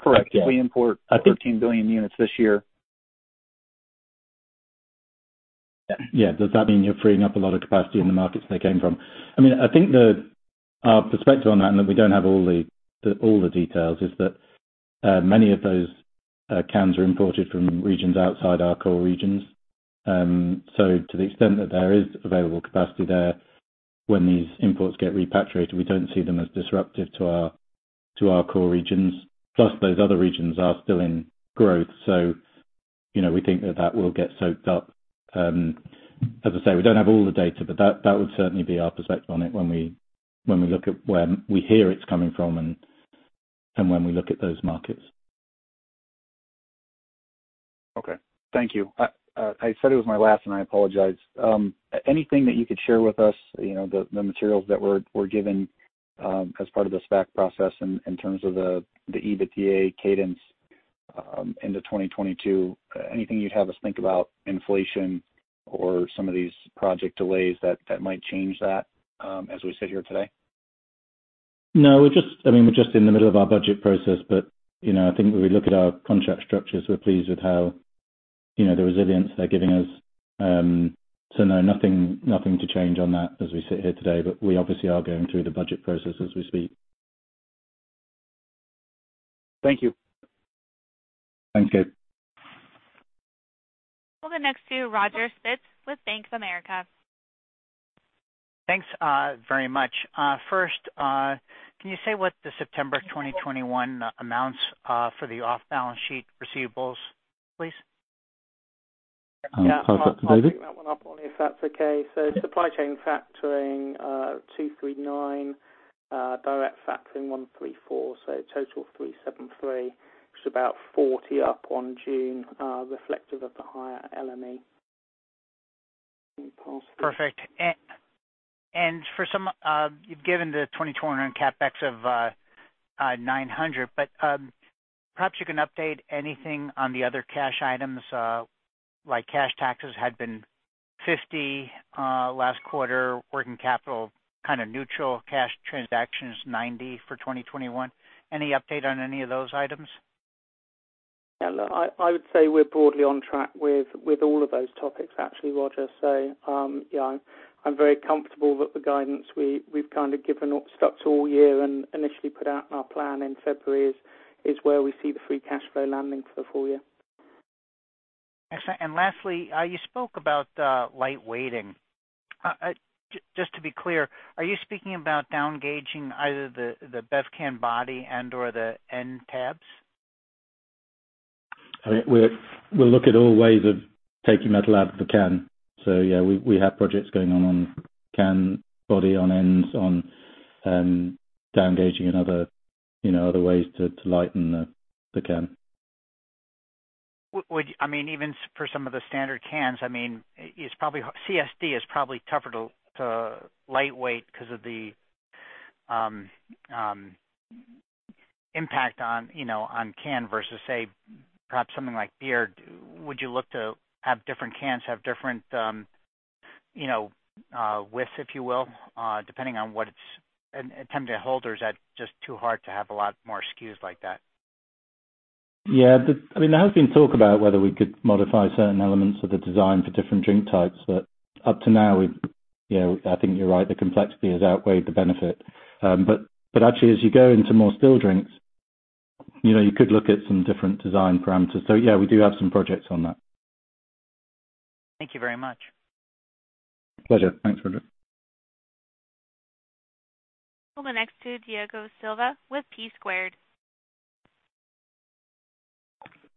Correct. Yeah. If we import 13 billion units this year. Yeah. Does that mean you're freeing up a lot of capacity in the markets they came from? I mean, I think our perspective on that, and that we don't have all the details, is that many of those cans are imported from regions outside our core regions. To the extent that there is available capacity there, when these imports get repatriated, we don't see them as disruptive to our core regions. Plus those other regions are still in growth. You know, we think that that will get soaked up. As I say, we don't have all the data, but that would certainly be our perspective on it when we look at where we hear it's coming from and when we look at those markets. Okay. Thank you. I said it was my last and I apologize. Anything that you could share with us, you know, the materials that were given as part of the SPAC process in terms of the EBITDA cadence into 2022? Anything you'd have us think about inflation or some of these project delays that might change that as we sit here today? No, I mean, we're just in the middle of our budget process, but, you know, I think when we look at our contract structures, we're pleased with how, you know, the resilience they're giving us. So no, nothing to change on that as we sit here today, but we obviously are going through the budget process as we speak. Thank you. Thanks, Gabe. We'll go next to Roger Spitz with Bank of America. Thanks, very much. First, can you say what the September 2021 amounts for the off-balance sheet receivables, please? Perhaps David? I'll pick that one up, Oli, if that's okay. Supply chain factoring, $239. Direct factoring $134, so a total of $373, which is about $40 up on June, reflective of the higher LME. Perfect. For some, you've given the 2021 CapEx of $900, but perhaps you can update anything on the other cash items, like cash taxes had been $50 last quarter, working capital kind of neutral, cash transactions $90 for 2021. Any update on any of those items? Yeah, look, I would say we're broadly on track with all of those topics, actually, Roger. Yeah, I'm very comfortable that the guidance we've kind of given stuck to all year and initially put out in our plan in February is where we see the free cash flow landing for the full year. Excellent. Lastly, you spoke about lightweighting. Just to be clear, are you speaking about downgauging either the beverage can body and/or the ends? I mean, we'll look at all ways of taking metal out of the can. Yeah, we have projects going on on can body, on ends, on downgauging and other, you know, other ways to lighten the can. I mean, even for some of the standard cans, I mean, it's probably CSD is tougher to lightweighting because of the impact on, you know, on can versus say perhaps something like beer. Would you look to have different cans have different, you know, widths, if you will, depending on what it's and attempt to hold or is that just too hard to have a lot more SKUs like that? Yeah. I mean, there has been talk about whether we could modify certain elements of the design for different drink types, but up to now we've, you know, I think you're right, the complexity has outweighed the benefit. But actually as you go into more still drinks, you know, you could look at some different design parameters. Yeah, we do have some projects on that. Thank you very much. Pleasure. Thanks, Roger. We'll go next to Diego Silva with P-Squared.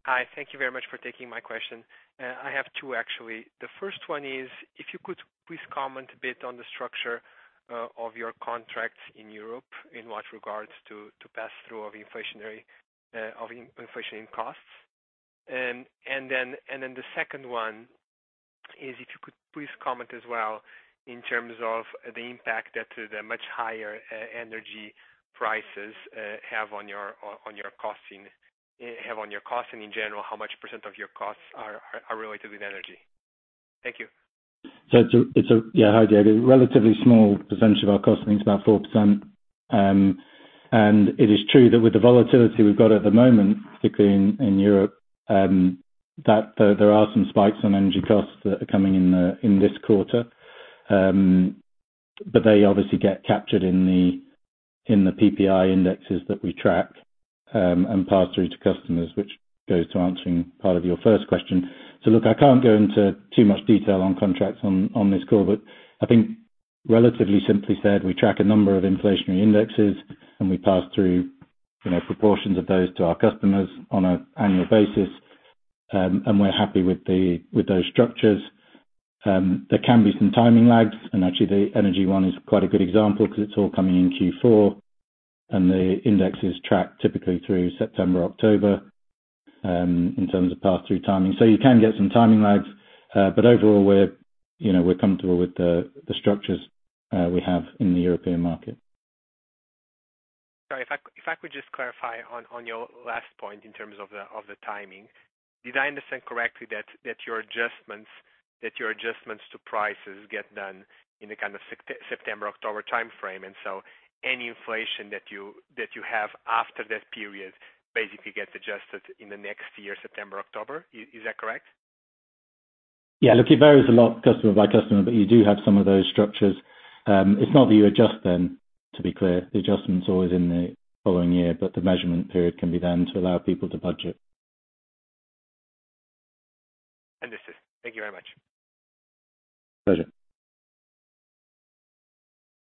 Hi. Thank you very much for taking my question. I have two actually. The first one is, if you could please comment a bit on the structure of your contracts in Europe in what regards to pass through of inflationary inflation costs. The second one is if you could please comment as well in terms of the impact that the much higher energy prices have on your costing, have on your cost. In general, how much percent of your costs are related with energy. Thank you. It's a relatively small percentage of our costing. It's about 4%. It is true that with the volatility we've got at the moment, particularly in Europe, that there are some spikes on energy costs that are coming in in this quarter. They obviously get captured in the PPI indexes that we track and pass through to customers, which goes to answering part of your first question. Look, I can't go into too much detail on contracts on this call, but I think relatively simply said, we track a number of inflationary indexes, and we pass through, you know, proportions of those to our customers on an annual basis. We're happy with those structures. There can be some timing lags, and actually the energy one is quite a good example because it's all coming in Q4, and the index is tracked typically through September, October, in terms of pass-through timing. You can get some timing lags, but overall, we're, you know, we're comfortable with the structures we have in the European market. Sorry, if I could just clarify on your last point in terms of the timing. Did I understand correctly that your adjustments to prices get done in a kind of September-October timeframe, and any inflation that you have after that period basically gets adjusted in the next year, September-October? Is that correct? Yeah. Look, it varies a lot customer by customer, but you do have some of those structures. It's not that you adjust then, to be clear. The adjustment's always in the following year, but the measurement period can be then to allow people to budget. Understood. Thank you very much. Pleasure.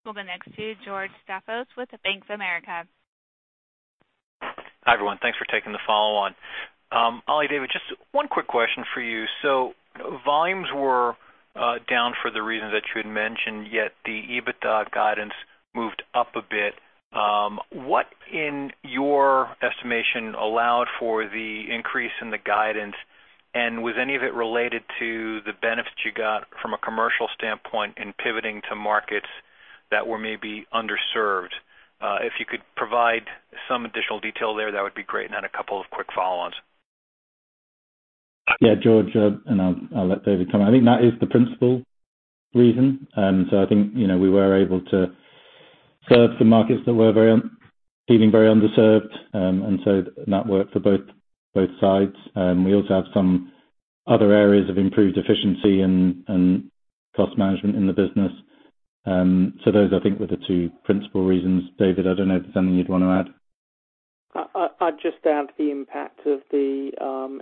We'll go next to George Staphos with Bank of America. Hi, everyone. Thanks for taking the follow-on. Oli, David, just one quick question for you. Volumes were down for the reasons that you had mentioned, yet the EBITDA guidance moved up a bit. What in your estimation allowed for the increase in the guidance, and was any of it related to the benefits you got from a commercial standpoint in pivoting to markets that were maybe underserved? If you could provide some additional detail there, that would be great. A couple of quick follow-ons. Yeah, George, and I'll let David comment. I think that is the principal reason. I think, you know, we were able to serve some markets that were very underserved. That worked for both sides. We also have some other areas of improved efficiency and cost management in the business. Those I think were the two principal reasons. David, I don't know if there's something you'd want to add. I'd just add the impact of the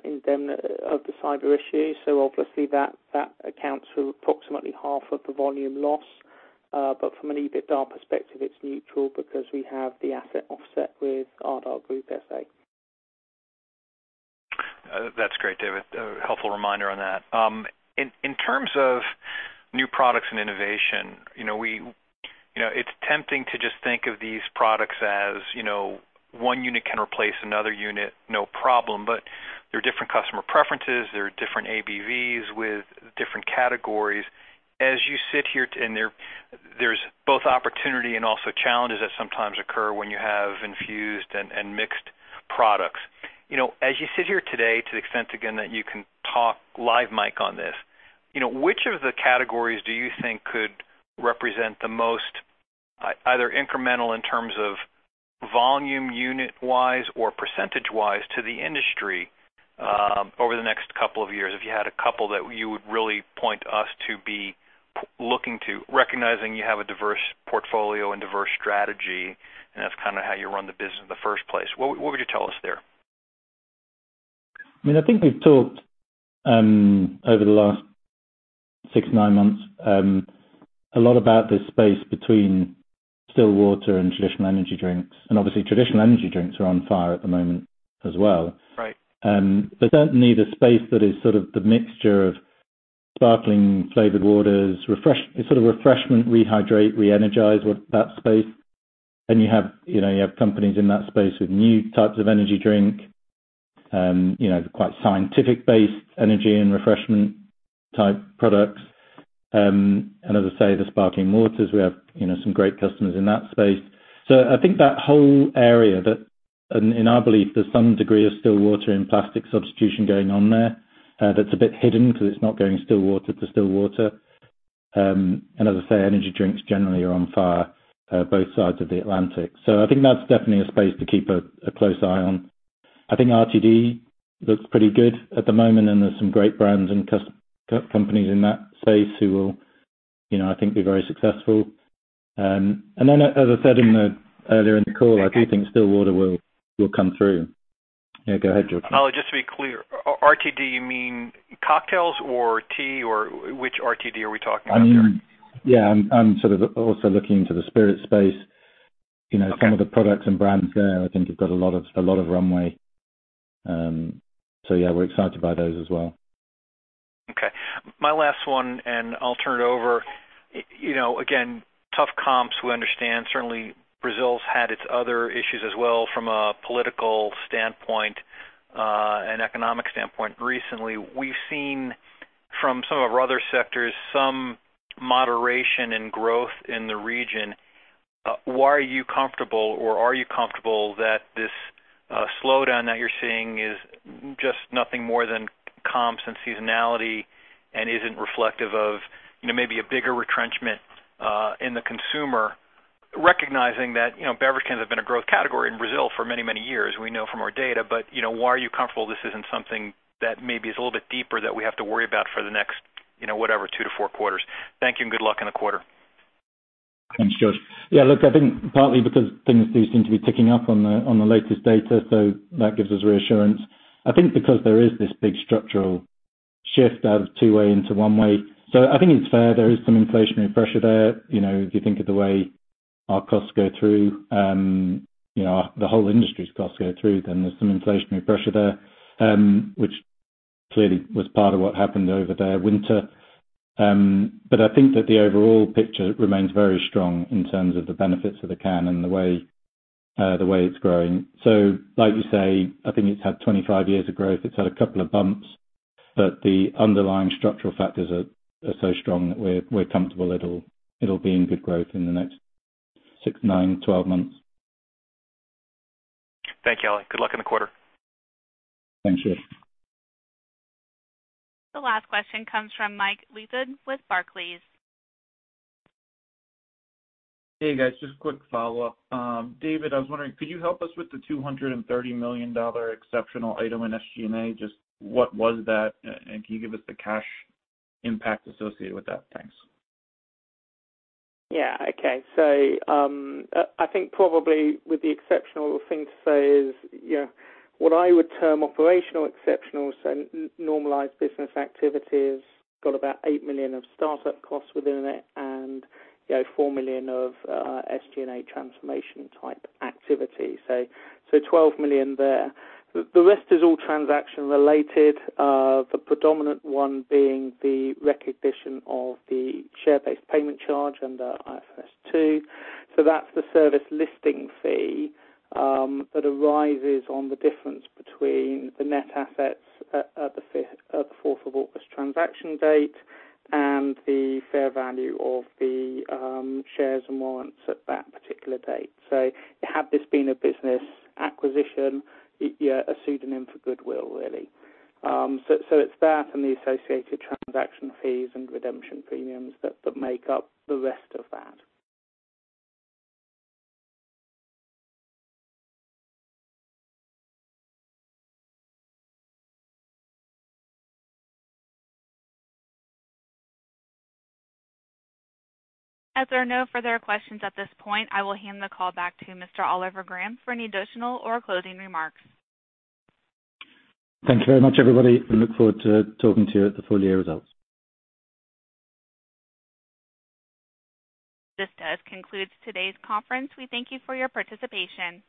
indemnity of the cyber incident. Obviously that accounts for approximately half of the volume loss. From an EBITDA perspective, it's neutral because we have the asset offset with Ardagh Group S.A. That's great, David. A helpful reminder on that. In terms of new products and innovation, you know, it's tempting to just think of these products as, you know, one unit can replace another unit, no problem. There are different customer preferences. There are different ABVs with different categories. As you sit here today, there’s both opportunity and also challenges that sometimes occur when you have infused and mixed products. You know, as you sit here today, to the extent again that you can talk live mic on this, you know, which of the categories do you think could represent the most, either incremental in terms of volume unit-wise or percentage-wise to the industry, over the next couple of years? If you had a couple that you would really point us to looking to, recognizing you have a diverse portfolio and diverse strategy, and that's kinda how you run the business in the first place, what would you tell us there? I mean, I think we've talked over the last six, nine months a lot about this space between still water and traditional energy drinks, and obviously traditional energy drinks are on fire at the moment as well. Right. Certainly the space that is sort of the mixture of sparkling flavored waters. It's sort of refreshment, rehydrate, re-energize with that space. You have, you know, companies in that space with new types of energy drink, you know, quite scientific-based energy and refreshment type products. As I say, the sparkling waters, we have, you know, some great customers in that space. I think that whole area, and in our belief, there's some degree of still water and plastic substitution going on there, that's a bit hidden because it's not going still water to still water. As I say, energy drinks generally are on fire, both sides of the Atlantic. I think that's definitely a space to keep a close eye on. I think RTD looks pretty good at the moment, and there's some great brands and companies in that space who will, you know, I think be very successful. As I said earlier in the call, I do think still water will come through. Yeah, go ahead, George. Oliver, just to be clear, RTD, you mean cocktails or tea, or which RTD are we talking about there? I mean, yeah, I'm sort of also looking into the spirit space. You know, some of the products and brands there, I think you've got a lot of runway. Yeah, we're excited by those as well. Okay. My last one, and I'll turn it over. You know, again, tough comps, we understand. Certainly, Brazil's had its other issues as well from a political standpoint, an economic standpoint recently. We've seen from some of our other sectors some moderation in growth in the region. Why are you comfortable, or are you comfortable that this slowdown that you're seeing is just nothing more than comps and seasonality and isn't reflective of, you know, maybe a bigger retrenchment in the consumer? Recognizing that, you know, beverage cans have been a growth category in Brazil for many, many years. We know from our data, but, you know, why are you comfortable this isn't something that maybe is a little bit deeper that we have to worry about for the next, you know, whatever, two to four quarters? Thank you, and good luck in the quarter. Thanks, George. Yeah, look, I think partly because things do seem to be ticking up on the latest data, so that gives us reassurance. I think because there is this big structural shift out of two-way into one-way. I think it's fair. There is some inflationary pressure there. You know, if you think of the way our costs go through, you know, the whole industry's costs go through, then there's some inflationary pressure there, which clearly was part of what happened over the winter. I think that the overall picture remains very strong in terms of the benefits of the can and the way it's growing. Like you say, I think it's had 25 years of growth. It's had a couple of bumps, but the underlying structural factors are so strong that we're comfortable it'll be in good growth in the next six, nine, 12 months. Thank you, Oli. Good luck in the quarter. Thanks, George. The last question comes from Mike Leithead with Barclays. Hey, guys. Just a quick follow-up. David, I was wondering, could you help us with the $230 million exceptional item in SG&A? Just what was that? And can you give us the cash impact associated with that? Thanks. Yeah. Okay. I think probably the exceptional thing to say is, you know, what I would term operational exceptional, so normalized business activity has got about $8 million of start-up costs within it and, you know, $4 million of SG&A transformation-type activity. $12 million there. The rest is all transaction-related, the predominant one being the recognition of the share-based payment charge under IFRS 2. That's the reverse listing fee, that arises on the difference between the net assets at the August 4th transaction date and the fair value of the shares and warrants at that particular date. Had this been a business acquisition, yeah, a synonym for goodwill, really. It's that and the associated transaction fees and redemption premiums that make up the rest of that. As there are no further questions at this point, I will hand the call back to Mr. Oliver Graham for any additional or closing remarks. Thank you very much, everybody. We look forward to talking to you at the full year results. This does conclude today's conference. We thank you for your participation.